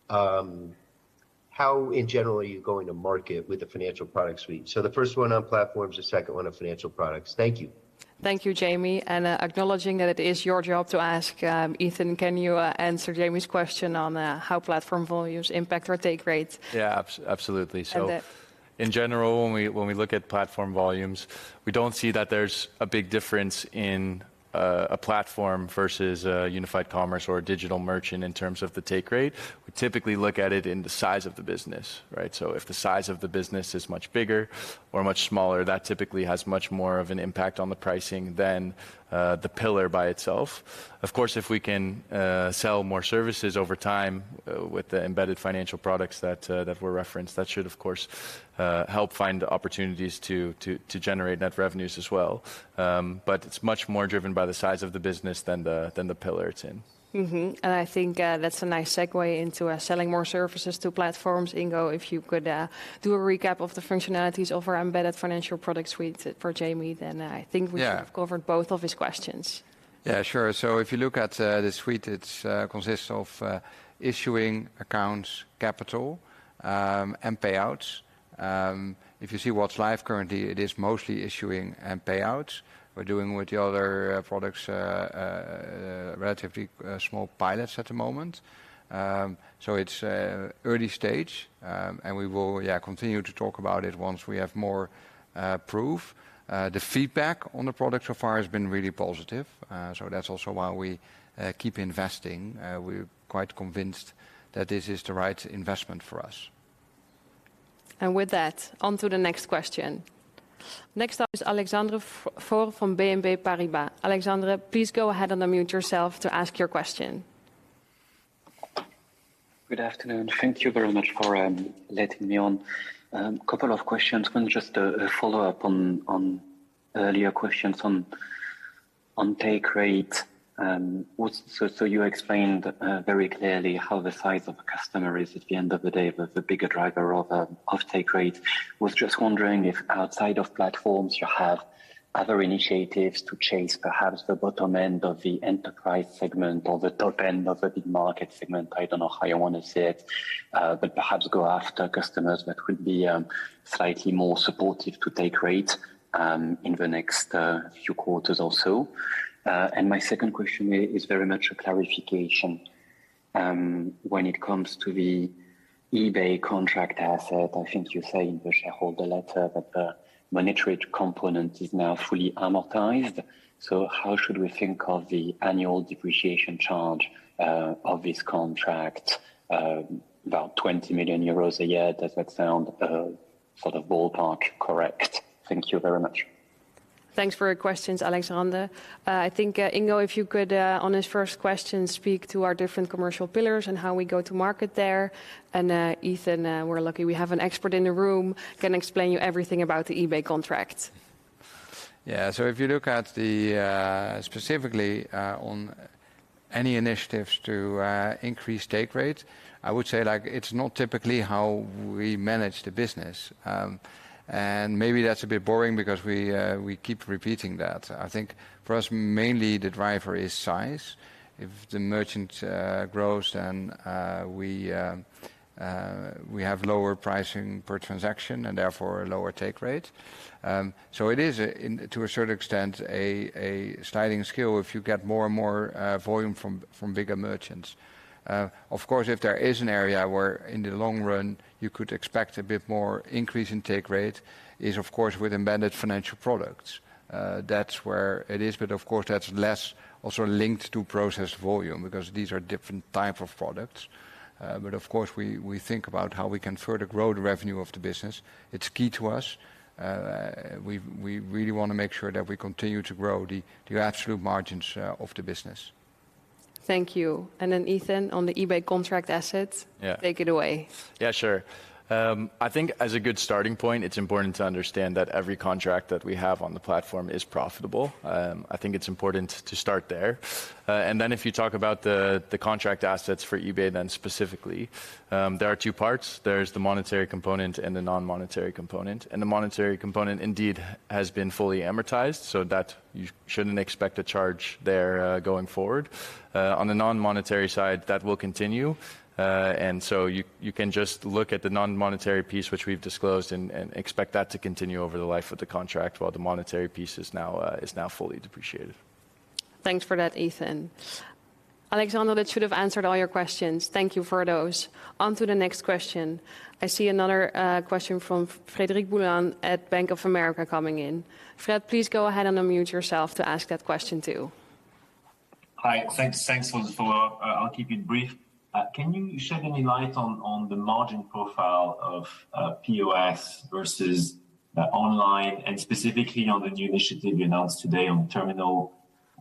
Speaker 16: How in general are you going to market with the financial product suite? The first one on platforms, the second one on financial products. Thank you.
Speaker 1: Thank you, Jamie. Acknowledging that it is your job to ask, Ethan, can you answer Jamie's question on how Platform volumes impact our take rates?
Speaker 4: Yeah. Absolutely.
Speaker 1: And, uh-
Speaker 4: In general, when we look at Platform volumes, we don't see that there's a big difference in a Platform versus a Unified Commerce or a Digital merchant in terms of the take rate. We typically look at it in the size of the business, right? If the size of the business is much bigger or much smaller, that typically has much more of an impact on the pricing than the pillar by itself. Of course, if we can sell more services over time with the embedded financial products that were referenced, that should of course help find opportunities to generate net revenues as well. But it's much more driven by the size of the business than the pillar it's in.
Speaker 1: Mm-hmm. I think that's a nice segue into selling more services to platforms. Ingo, if you could do a recap of the functionalities of our embedded financial product suite for Jamie, then I think we.
Speaker 3: Yeah
Speaker 1: Should have covered both of his questions.
Speaker 3: Yeah, sure. If you look at the suite, it consists of issuing, accounts, capital, and payouts. If you see what's live currently, it is mostly issuing and payouts. We're doing, with the other products, relatively small pilots at the moment. It's early stage. We will continue to talk about it once we have more proof. The feedback on the product so far has been really positive. That's also why we keep investing. We're quite convinced that this is the right investment for us.
Speaker 1: With that, onto the next question. Next up is Alexandre Faure from BNP Paribas. Alexandre, please go ahead and unmute yourself to ask your question.
Speaker 17: Good afternoon. Thank you very much for letting me on. Couple of questions. One just a follow-up on earlier questions on take rate. You explained very clearly how the size of a customer is at the end of the day the bigger driver of take rate. Was just wondering if outside of platforms you have other initiatives to chase perhaps the bottom end of the enterprise segment or the top end of the big market segment. I don't know how you wanna say it. But perhaps go after customers that would be slightly more supportive to take rate in the next few quarters also. My second question is very much a clarification. When it comes to the eBay contract asset, I think you say in the shareholder letter that the monetary component is now fully amortized. How should we think of the annual depreciation charge of this contract, about 20 million euros a year? Does that sound sort of ballpark correct? Thank you very much.
Speaker 1: Thanks for your questions, Alexandre. I think, Ingo, if you could, on his first question, speak to our different commercial pillars and how we go to market there. Ethan, we're lucky we have an expert in the room can explain you everything about the eBay contract.
Speaker 3: Yeah. If you look at it specifically on any initiatives to increase take rate, I would say, like, it's not typically how we manage the business. Maybe that's a bit boring because we keep repeating that. I think for us, mainly the driver is size. If the merchant grows, then we have lower pricing per transaction and therefore a lower take rate. It is, to a certain extent, a sliding scale if you get more and more volume from bigger merchants. Of course, if there is an area where in the long run you could expect a bit more increase in take rate is of course with embedded financial products. That's where it is. Of course that's also less linked to processing volume because these are different type of products. Of course we think about how we can further grow the revenue of the business. It's key to us. We really wanna make sure that we continue to grow the absolute margins of the business.
Speaker 1: Thank you. Ethan on the eBay contract assets.
Speaker 4: Yeah.
Speaker 1: Take it away.
Speaker 4: Yeah, sure. I think as a good starting point, it's important to understand that every contract that we have on the Platform is profitable. I think it's important to start there. If you talk about the contract assets for eBay, then specifically, there are two parts. There's the monetary component and the non-monetary component, and the monetary component indeed has been fully amortized so that you shouldn't expect a charge there, going forward. On the non-monetary side, that will continue. You can just look at the non-monetary piece, which we've disclosed and expect that to continue over the life of the contract while the monetary piece is now fully depreciated.
Speaker 1: Thanks for that, Ethan. Alexandre, that should have answered all your questions. Thank you for those. Onto the next question. I see another question from Frederic Boulan at Bank of America coming in. Fred, please go ahead and unmute yourself to ask that question too.
Speaker 9: Hi. Thanks for the follow-up. I'll keep it brief. Can you shed any light on the margin profile of POS versus online and specifically on the new initiative you announced today on terminal?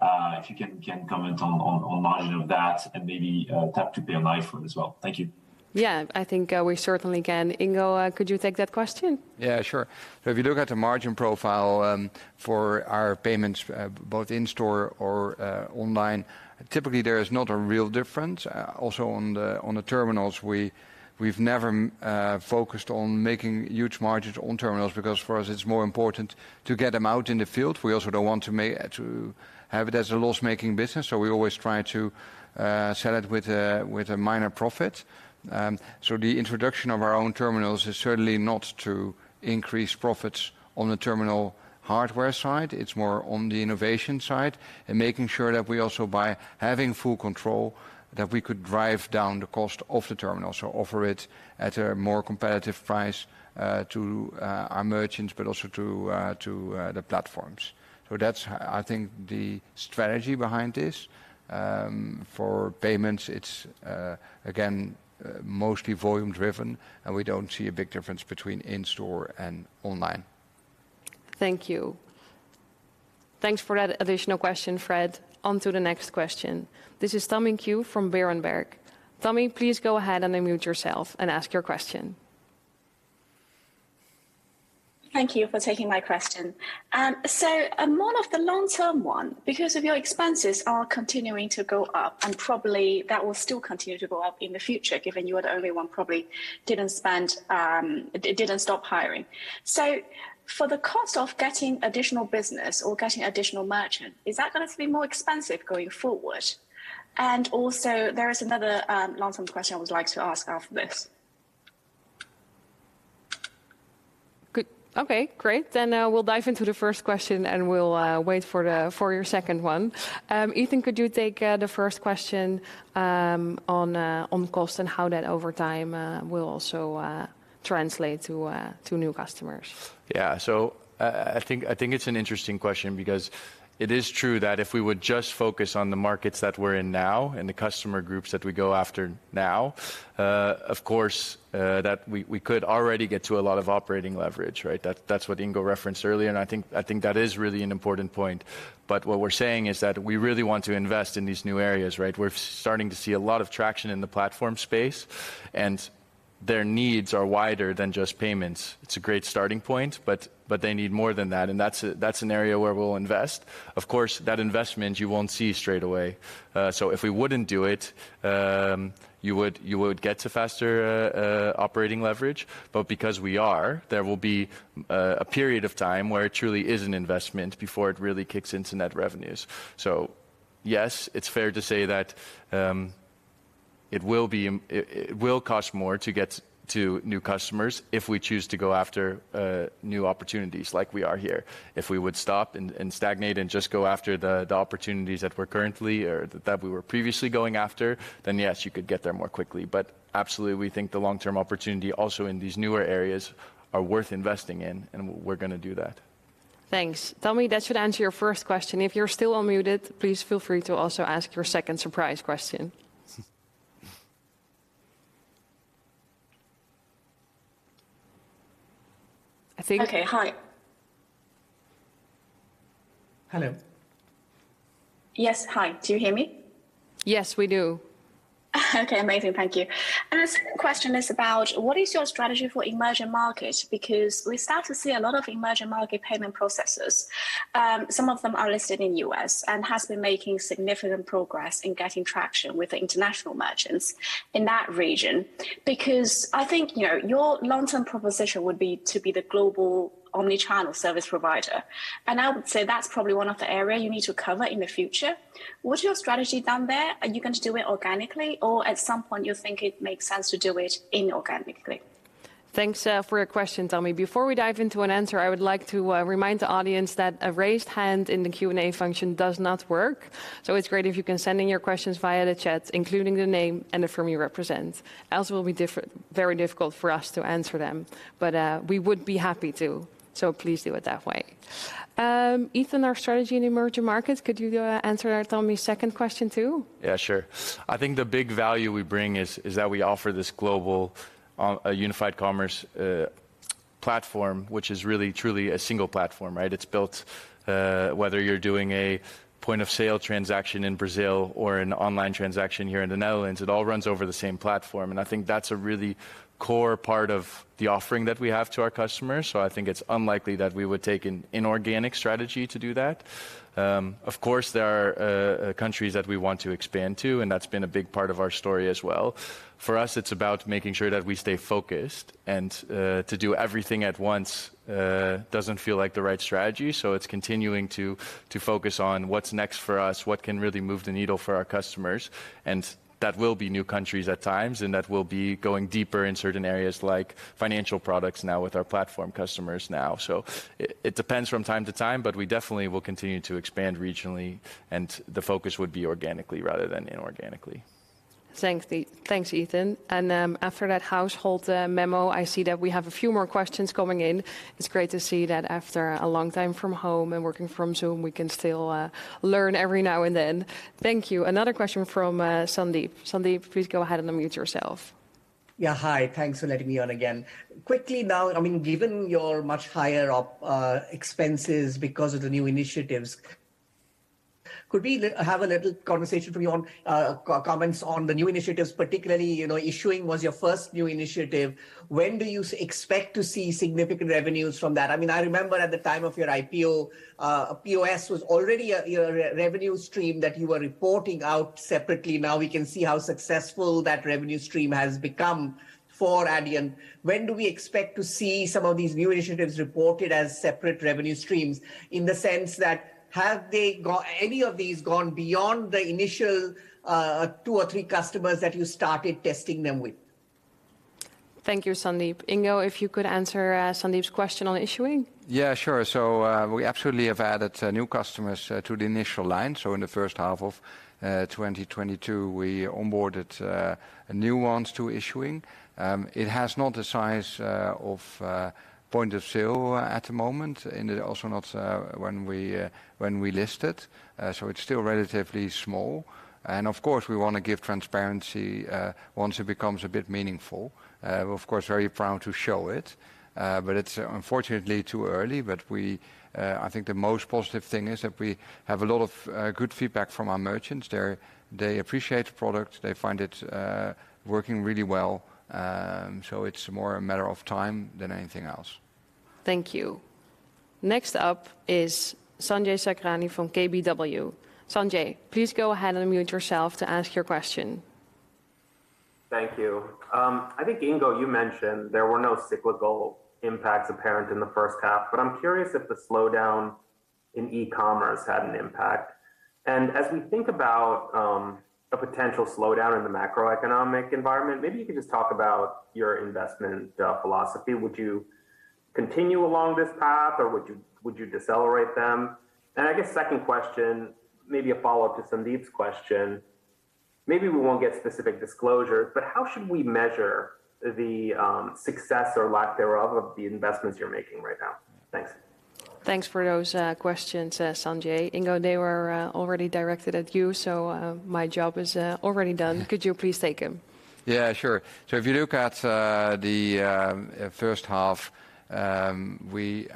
Speaker 9: If you can comment on the margin of that and maybe Tap to Pay on iPhone as well. Thank you.
Speaker 1: Yeah, I think, we certainly can. Ingo, could you take that question?
Speaker 3: Yeah, sure. If you look at the margin profile, for our payments, both in store or online, typically there is not a real difference. Also on the terminals we've never focused on making huge margins on terminals because for us it's more important to get them out in the field. We also don't want to have it as a loss-making business, so we always try to Sell it with a minor profit. The introduction of our own terminals is certainly not to increase profits on the terminal hardware side. It's more on the innovation side and making sure that we also, by having full control, that we could drive down the cost of the terminal. Offer it at a more competitive price to our merchants, but also to the platforms. That's I think the strategy behind this. For payments, it's again mostly volume driven, and we don't see a big difference between in-store and online.
Speaker 1: Thank you. Thanks for that additional question, Fred. On to the next question. This is Tammy Qiu from Berenberg. Tammy, please go ahead and unmute yourself and ask your question.
Speaker 18: Thank you for taking my question. A more of the long-term one, because your expenses are continuing to go up, and probably that will still continue to go up in the future given you are the only one probably didn't spend, didn't stop hiring. For the cost of getting additional business or getting additional merchant, is that gonna be more expensive going forward? Also, there is another long-term question I would like to ask after this.
Speaker 1: Good. Okay, great. We'll dive into the first question, and we'll wait for your second one. Ethan, could you take the first question on cost and how that over time will also translate to new customers?
Speaker 4: Yeah. I think it's an interesting question because it is true that if we would just focus on the markets that we're in now and the customer groups that we go after now, of course, that we could already get to a lot of operating leverage, right? That's what Ingo referenced earlier, and I think that is really an important point. What we're saying is that we really want to invest in these new areas, right? We're starting to see a lot of traction in the Platform space, and their needs are wider than just payments. It's a great starting point, but they need more than that, and that's an area where we'll invest. Of course, that investment you won't see straight away. If we wouldn't do it, you would get to faster operating leverage. Because we are, there will be a period of time where it truly is an investment before it really kicks into net revenues. Yes, it's fair to say that it will cost more to get to new customers if we choose to go after new opportunities like we are here. If we would stop and stagnate and just go after the opportunities that we're currently or that we were previously going after, then yes, you could get there more quickly. Absolutely, we think the long-term opportunity also in these newer areas are worth investing in, and we're gonna do that.
Speaker 7: Thanks. Tammy, that should answer your first question. If you're still unmuted, please feel free to also ask your second surprise question. I think.
Speaker 18: Okay. Hi.
Speaker 1: Hello.
Speaker 18: Yes. Hi. Do you hear me?
Speaker 1: Yes, we do.
Speaker 18: Okay. Amazing, thank you. The second question is about what is your strategy for emerging market? Because we start to see a lot of emerging market payment processors. Some of them are listed in U.S. and has been making significant progress in getting traction with the international merchants in that region. Because I think, you know, your long-term proposition would be to be the global omni-channel service provider, and I would say that's probably one of the area you need to cover in the future. What's your strategy down there? Are you going to do it organically, or at some point you think it makes sense to do it inorganically?
Speaker 1: Thanks for your question, Tammy. Before we dive into an answer, I would like to remind the audience that a raised hand in the Q&A function does not work, so it's great if you can send in your questions via the chat, including the name and the firm you represent, else it will be very difficult for us to answer them. We would be happy to, so please do it that way. Ethan, our strategy in emerging markets, could you answer our Tammy's second question too?
Speaker 4: Yeah, sure. I think the big value we bring is that we offer this global unified commerce platform, which is really truly a single platform, right? It's built whether you're doing a point-of-sale transaction in Brazil or an online transaction here in the Netherlands, it all runs over the same platform, and I think that's a really core part of the offering that we have to our customers. I think it's unlikely that we would take an inorganic strategy to do that. Of course, there are countries that we want to expand to, and that's been a big part of our story as well. For us, it's about making sure that we stay focused and, to do everything at once, doesn't feel like the right strategy, so it's continuing to focus on what's next for us, what can really move the needle for our customers, and that will be new countries at times, and that will be going deeper in certain areas like financial products now with our Platform customers now. It depends from time to time, but we definitely will continue to expand regionally, and the focus would be organically rather than inorganically.
Speaker 1: Thanks, Ethan. After that helpful memo, I see that we have a few more questions coming in. It's great to see that after a long time at home and working on Zoom, we can still learn every now and then. Thank you. Another question from Sandeep. Sandeep, please go ahead and unmute yourself.
Speaker 8: Yeah. Hi. Thanks for letting me on again. Quickly now, I mean, given your much higher up expenses because of the new initiatives, could we have a little conversation from you on comments on the new initiatives, particularly, you know, issuing was your first new initiative. When do you expect to see significant revenues from that? I mean, I remember at the time of your IPO, POS was already your revenue stream that you were reporting out separately. Now we can see how successful that revenue stream has become for Adyen. When do we expect to see some of these new initiatives reported as separate revenue streams, in the sense that have any of these gone beyond the initial two or three customers that you started testing them with?
Speaker 1: Thank you, Sandeep. Ingo, if you could answer, Sandeep's question on issuing?
Speaker 3: Yeah, sure. We absolutely have added new customers to the initial line. In the first half of 2022, we onboarded new ones to issuing. It has not the size of point-of-sale at the moment, and also not when we list it. It's still relatively small. Of course, we wanna give transparency once it becomes a bit meaningful. Of course, very proud to show it, but it's unfortunately too early. I think the most positive thing is that we have a lot of good feedback from our merchants. They appreciate the product. They find it working really well. It's more a matter of time than anything else.
Speaker 1: Thank you. Next up is Sanjay Sakhrani from KBW. Sanjay, please go ahead and unmute yourself to ask your question.
Speaker 19: Thank you. I think, Ingo, you mentioned there were no cyclical impacts apparent in the first half, but I'm curious if the slowdown in e-commerce had an impact. As we think about a potential slowdown in the macroeconomic environment, maybe you could just talk about your investment philosophy. Would you continue along this path, or would you decelerate them? I guess second question, maybe a follow-up to Sandeep's question, maybe we won't get specific disclosure, but how should we measure the success or lack thereof of the investments you're making right now? Thanks.
Speaker 1: Thanks for those questions, Sanjay. Ingo, they were already directed at you, so my job is already done. Could you please take them?
Speaker 3: Yeah, sure. If you look at the first half, we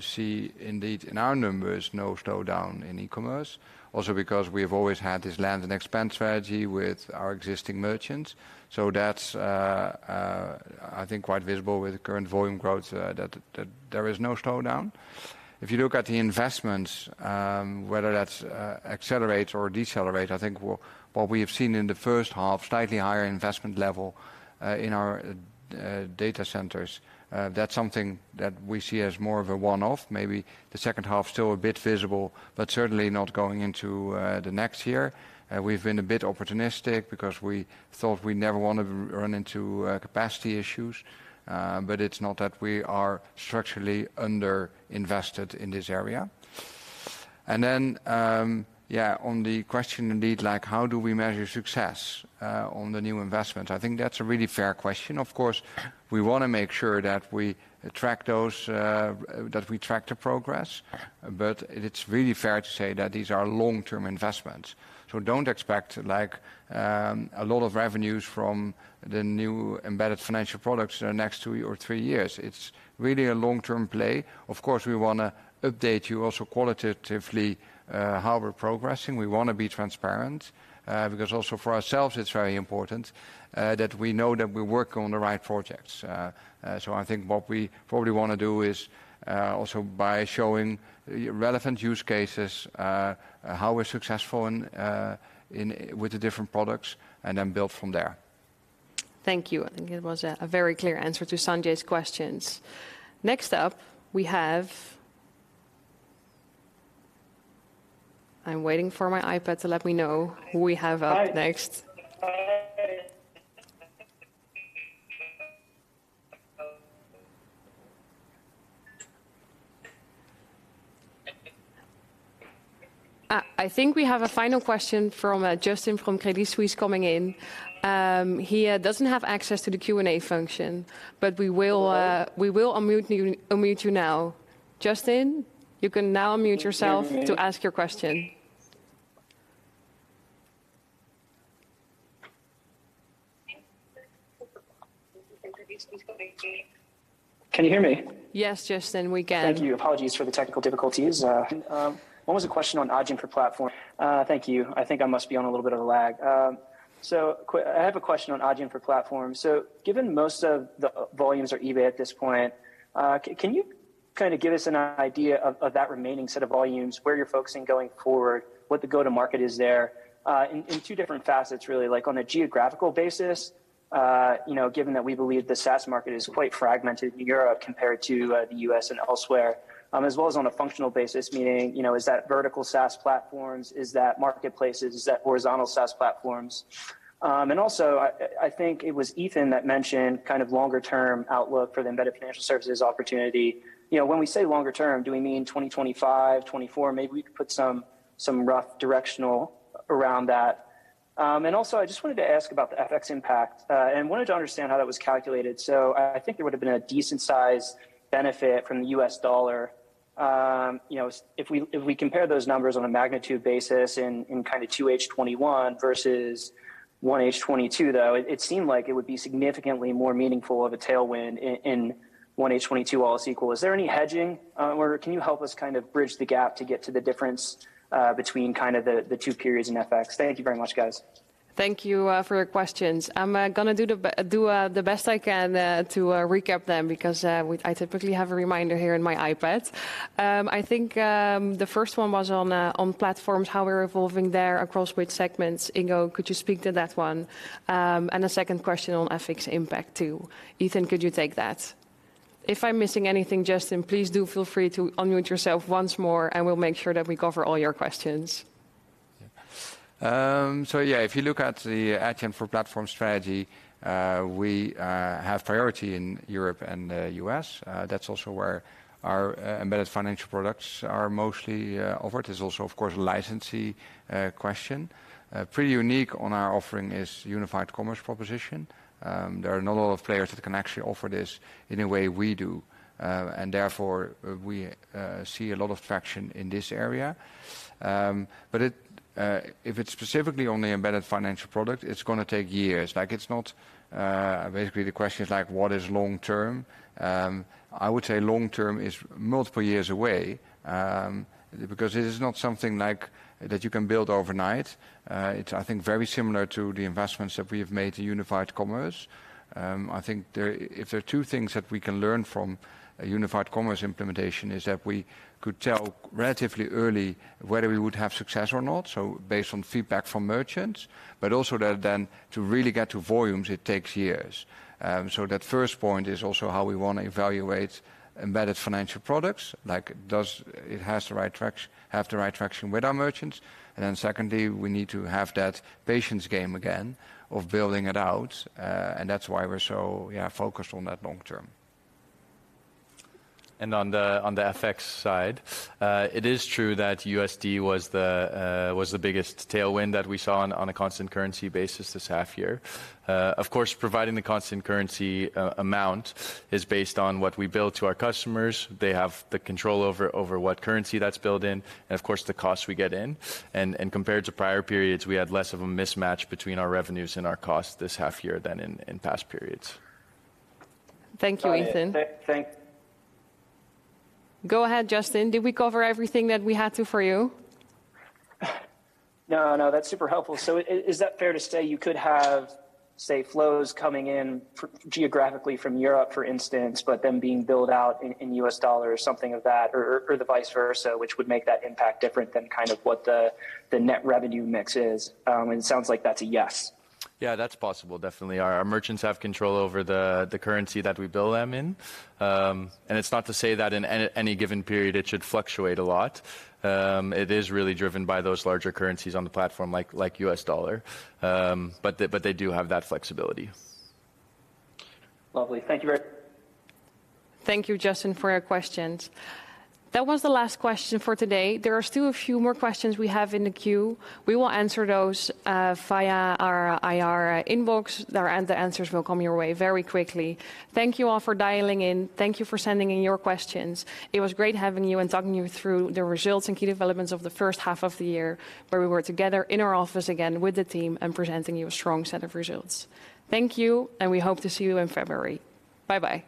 Speaker 3: see indeed in our numbers, no slowdown in e-commerce, also because we've always had this land and expand strategy with our existing merchants. That's, I think quite visible with the current volume growth, that there is no slowdown. If you look at the investments, whether that's accelerate or decelerate, I think what we have seen in the first half, slightly higher investment level in our data centers. That's something that we see as more of a one-off, maybe the second half still a bit visible, but certainly not going into the next year. We've been a bit opportunistic because we thought we never wanna run into capacity issues. But it's not that we are structurally underinvested in this area. Yeah, on the question indeed, like, how do we measure success on the new investment? I think that's a really fair question. Of course, we wanna make sure that we track the progress, but it's really fair to say that these are long-term investments. Don't expect, like, a lot of revenues from the new embedded financial products in the next two or three years. It's really a long-term play. Of course, we wanna update you also qualitatively how we're progressing. We wanna be transparent because also for ourselves, it's very important that we know that we work on the right projects. I think what we probably wanna do is also by showing relevant use cases how we're successful and with the different products and then build from there.
Speaker 1: Thank you. I think it was a very clear answer to Sanjay's questions. Next up, we have. I'm waiting for my iPad to let me know who we have up next. I think we have a final question from Justin from Credit Suisse coming in. He doesn't have access to the Q&A function, but we will unmute you now. Justin, you can now unmute yourself to ask your question.
Speaker 20: Can you hear me?
Speaker 1: Yes, Justin, we can.
Speaker 20: Thank you. Apologies for the technical difficulties. What was the question on Adyen for platforms? Thank you. I think I must be on a little bit of a lag. I have a question on Adyen for platforms. Given most of the volumes are eBay at this point, can you kinda give us an idea of that remaining set of volumes, where you're focusing going forward, what the go-to-market is there, in two different facets, really, like on a geographical basis, you know, given that we believe the SaaS market is quite fragmented in Europe compared to the U.S. and elsewhere, as well as on a functional basis, meaning, you know, is that vertical SaaS platforms? Is that marketplaces? Is that horizontal SaaS platforms? I think it was Ethan that mentioned kind of longer term outlook for the embedded financial services opportunity. You know, when we say longer term, do we mean 2025, 2024? Maybe we could put some rough directional around that. I just wanted to ask about the FX impact, and wanted to understand how that was calculated. I think there would've been a decent size benefit from the U.S. dollar. You know, if we compare those numbers on a magnitude basis in kind of 2H 2021 versus 1H 2022, though, it seemed like it would be significantly more meaningful of a tailwind in 1H 2022, all else equal. Is there any hedging, or can you help us kind of bridge the gap to get to the difference between kind of the two periods in FX? Thank you very much, guys.
Speaker 1: Thank you for your questions. I'm gonna do the best I can to recap them because I typically have a reminder here in my iPad. I think the first one was on platforms, how we're evolving there across which segments. Ingo, could you speak to that one? A second question on FX impact too. Ethan, could you take that? If I'm missing anything, Justin, please do feel free to unmute yourself once more, and we'll make sure that we cover all your questions.
Speaker 3: If you look at the Adyen for platforms strategy, we have priority in Europe and U.S. That's also where our embedded financial products are mostly offered. It's also of course a licensing question. Pretty unique in our offering is unified commerce proposition. There are not a lot of players that can actually offer this in a way we do. Therefore we see a lot of traction in this area. If it's specifically on the embedded financial product, it's gonna take years. Like it's not. Basically, the question is like what is long-term? I would say long-term is multiple years away, because it is not something like that you can build overnight. It's, I think, very similar to the investments that we have made in Unified Commerce. I think if there are two things that we can learn from a unified commerce implementation, is that we could tell relatively early whether we would have success or not, so based on feedback from merchants. That then to really get to volumes, it takes years. That first point is also how we wanna evaluate embedded financial products. Like, does it have the right traction with our merchants. Then secondly, we need to have that patience game again of building it out. That's why we're so focused on that long term.
Speaker 4: On the FX side, it is true that USD was the biggest tailwind that we saw on a constant currency basis this half year. Of course, providing the constant currency amount is based on what we bill to our customers. They have the control over what currency that's billed in, and of course the costs we incur. Compared to prior periods, we had less of a mismatch between our revenues and our costs this half year than in past periods.
Speaker 3: Thank you, Ethan.
Speaker 20: Uh, thank-
Speaker 1: Go ahead, Justin. Did we cover everything that we had to for you?
Speaker 20: No, no, that's super helpful. Is that fair to say you could have, say, flows coming in geographically from Europe, for instance, but then being billed out in U.S. dollars, something of that, or the vice versa, which would make that impact different than kind of what the net revenue mix is? It sounds like that's a yes.
Speaker 4: Yeah, that's possible, definitely. Our merchants have control over the currency that we bill them in. It's not to say that in any given period it should fluctuate a lot. It is really driven by those larger currencies on the Platform like U.S. dollar. They do have that flexibility.
Speaker 20: Lovely. Thank you very
Speaker 3: Thank you, Justin, for your questions. That was the last question for today. There are still a few more questions we have in the queue. We will answer those via our IR inbox, there, and the answers will come your way very quickly. Thank you all for dialing in. Thank you for sending in your questions. It was great having you and talking you through the results and key developments of the first half of the year, where we were together in our office again with the team and presenting you a strong set of results. Thank you, and we hope to see you in February. Bye-bye.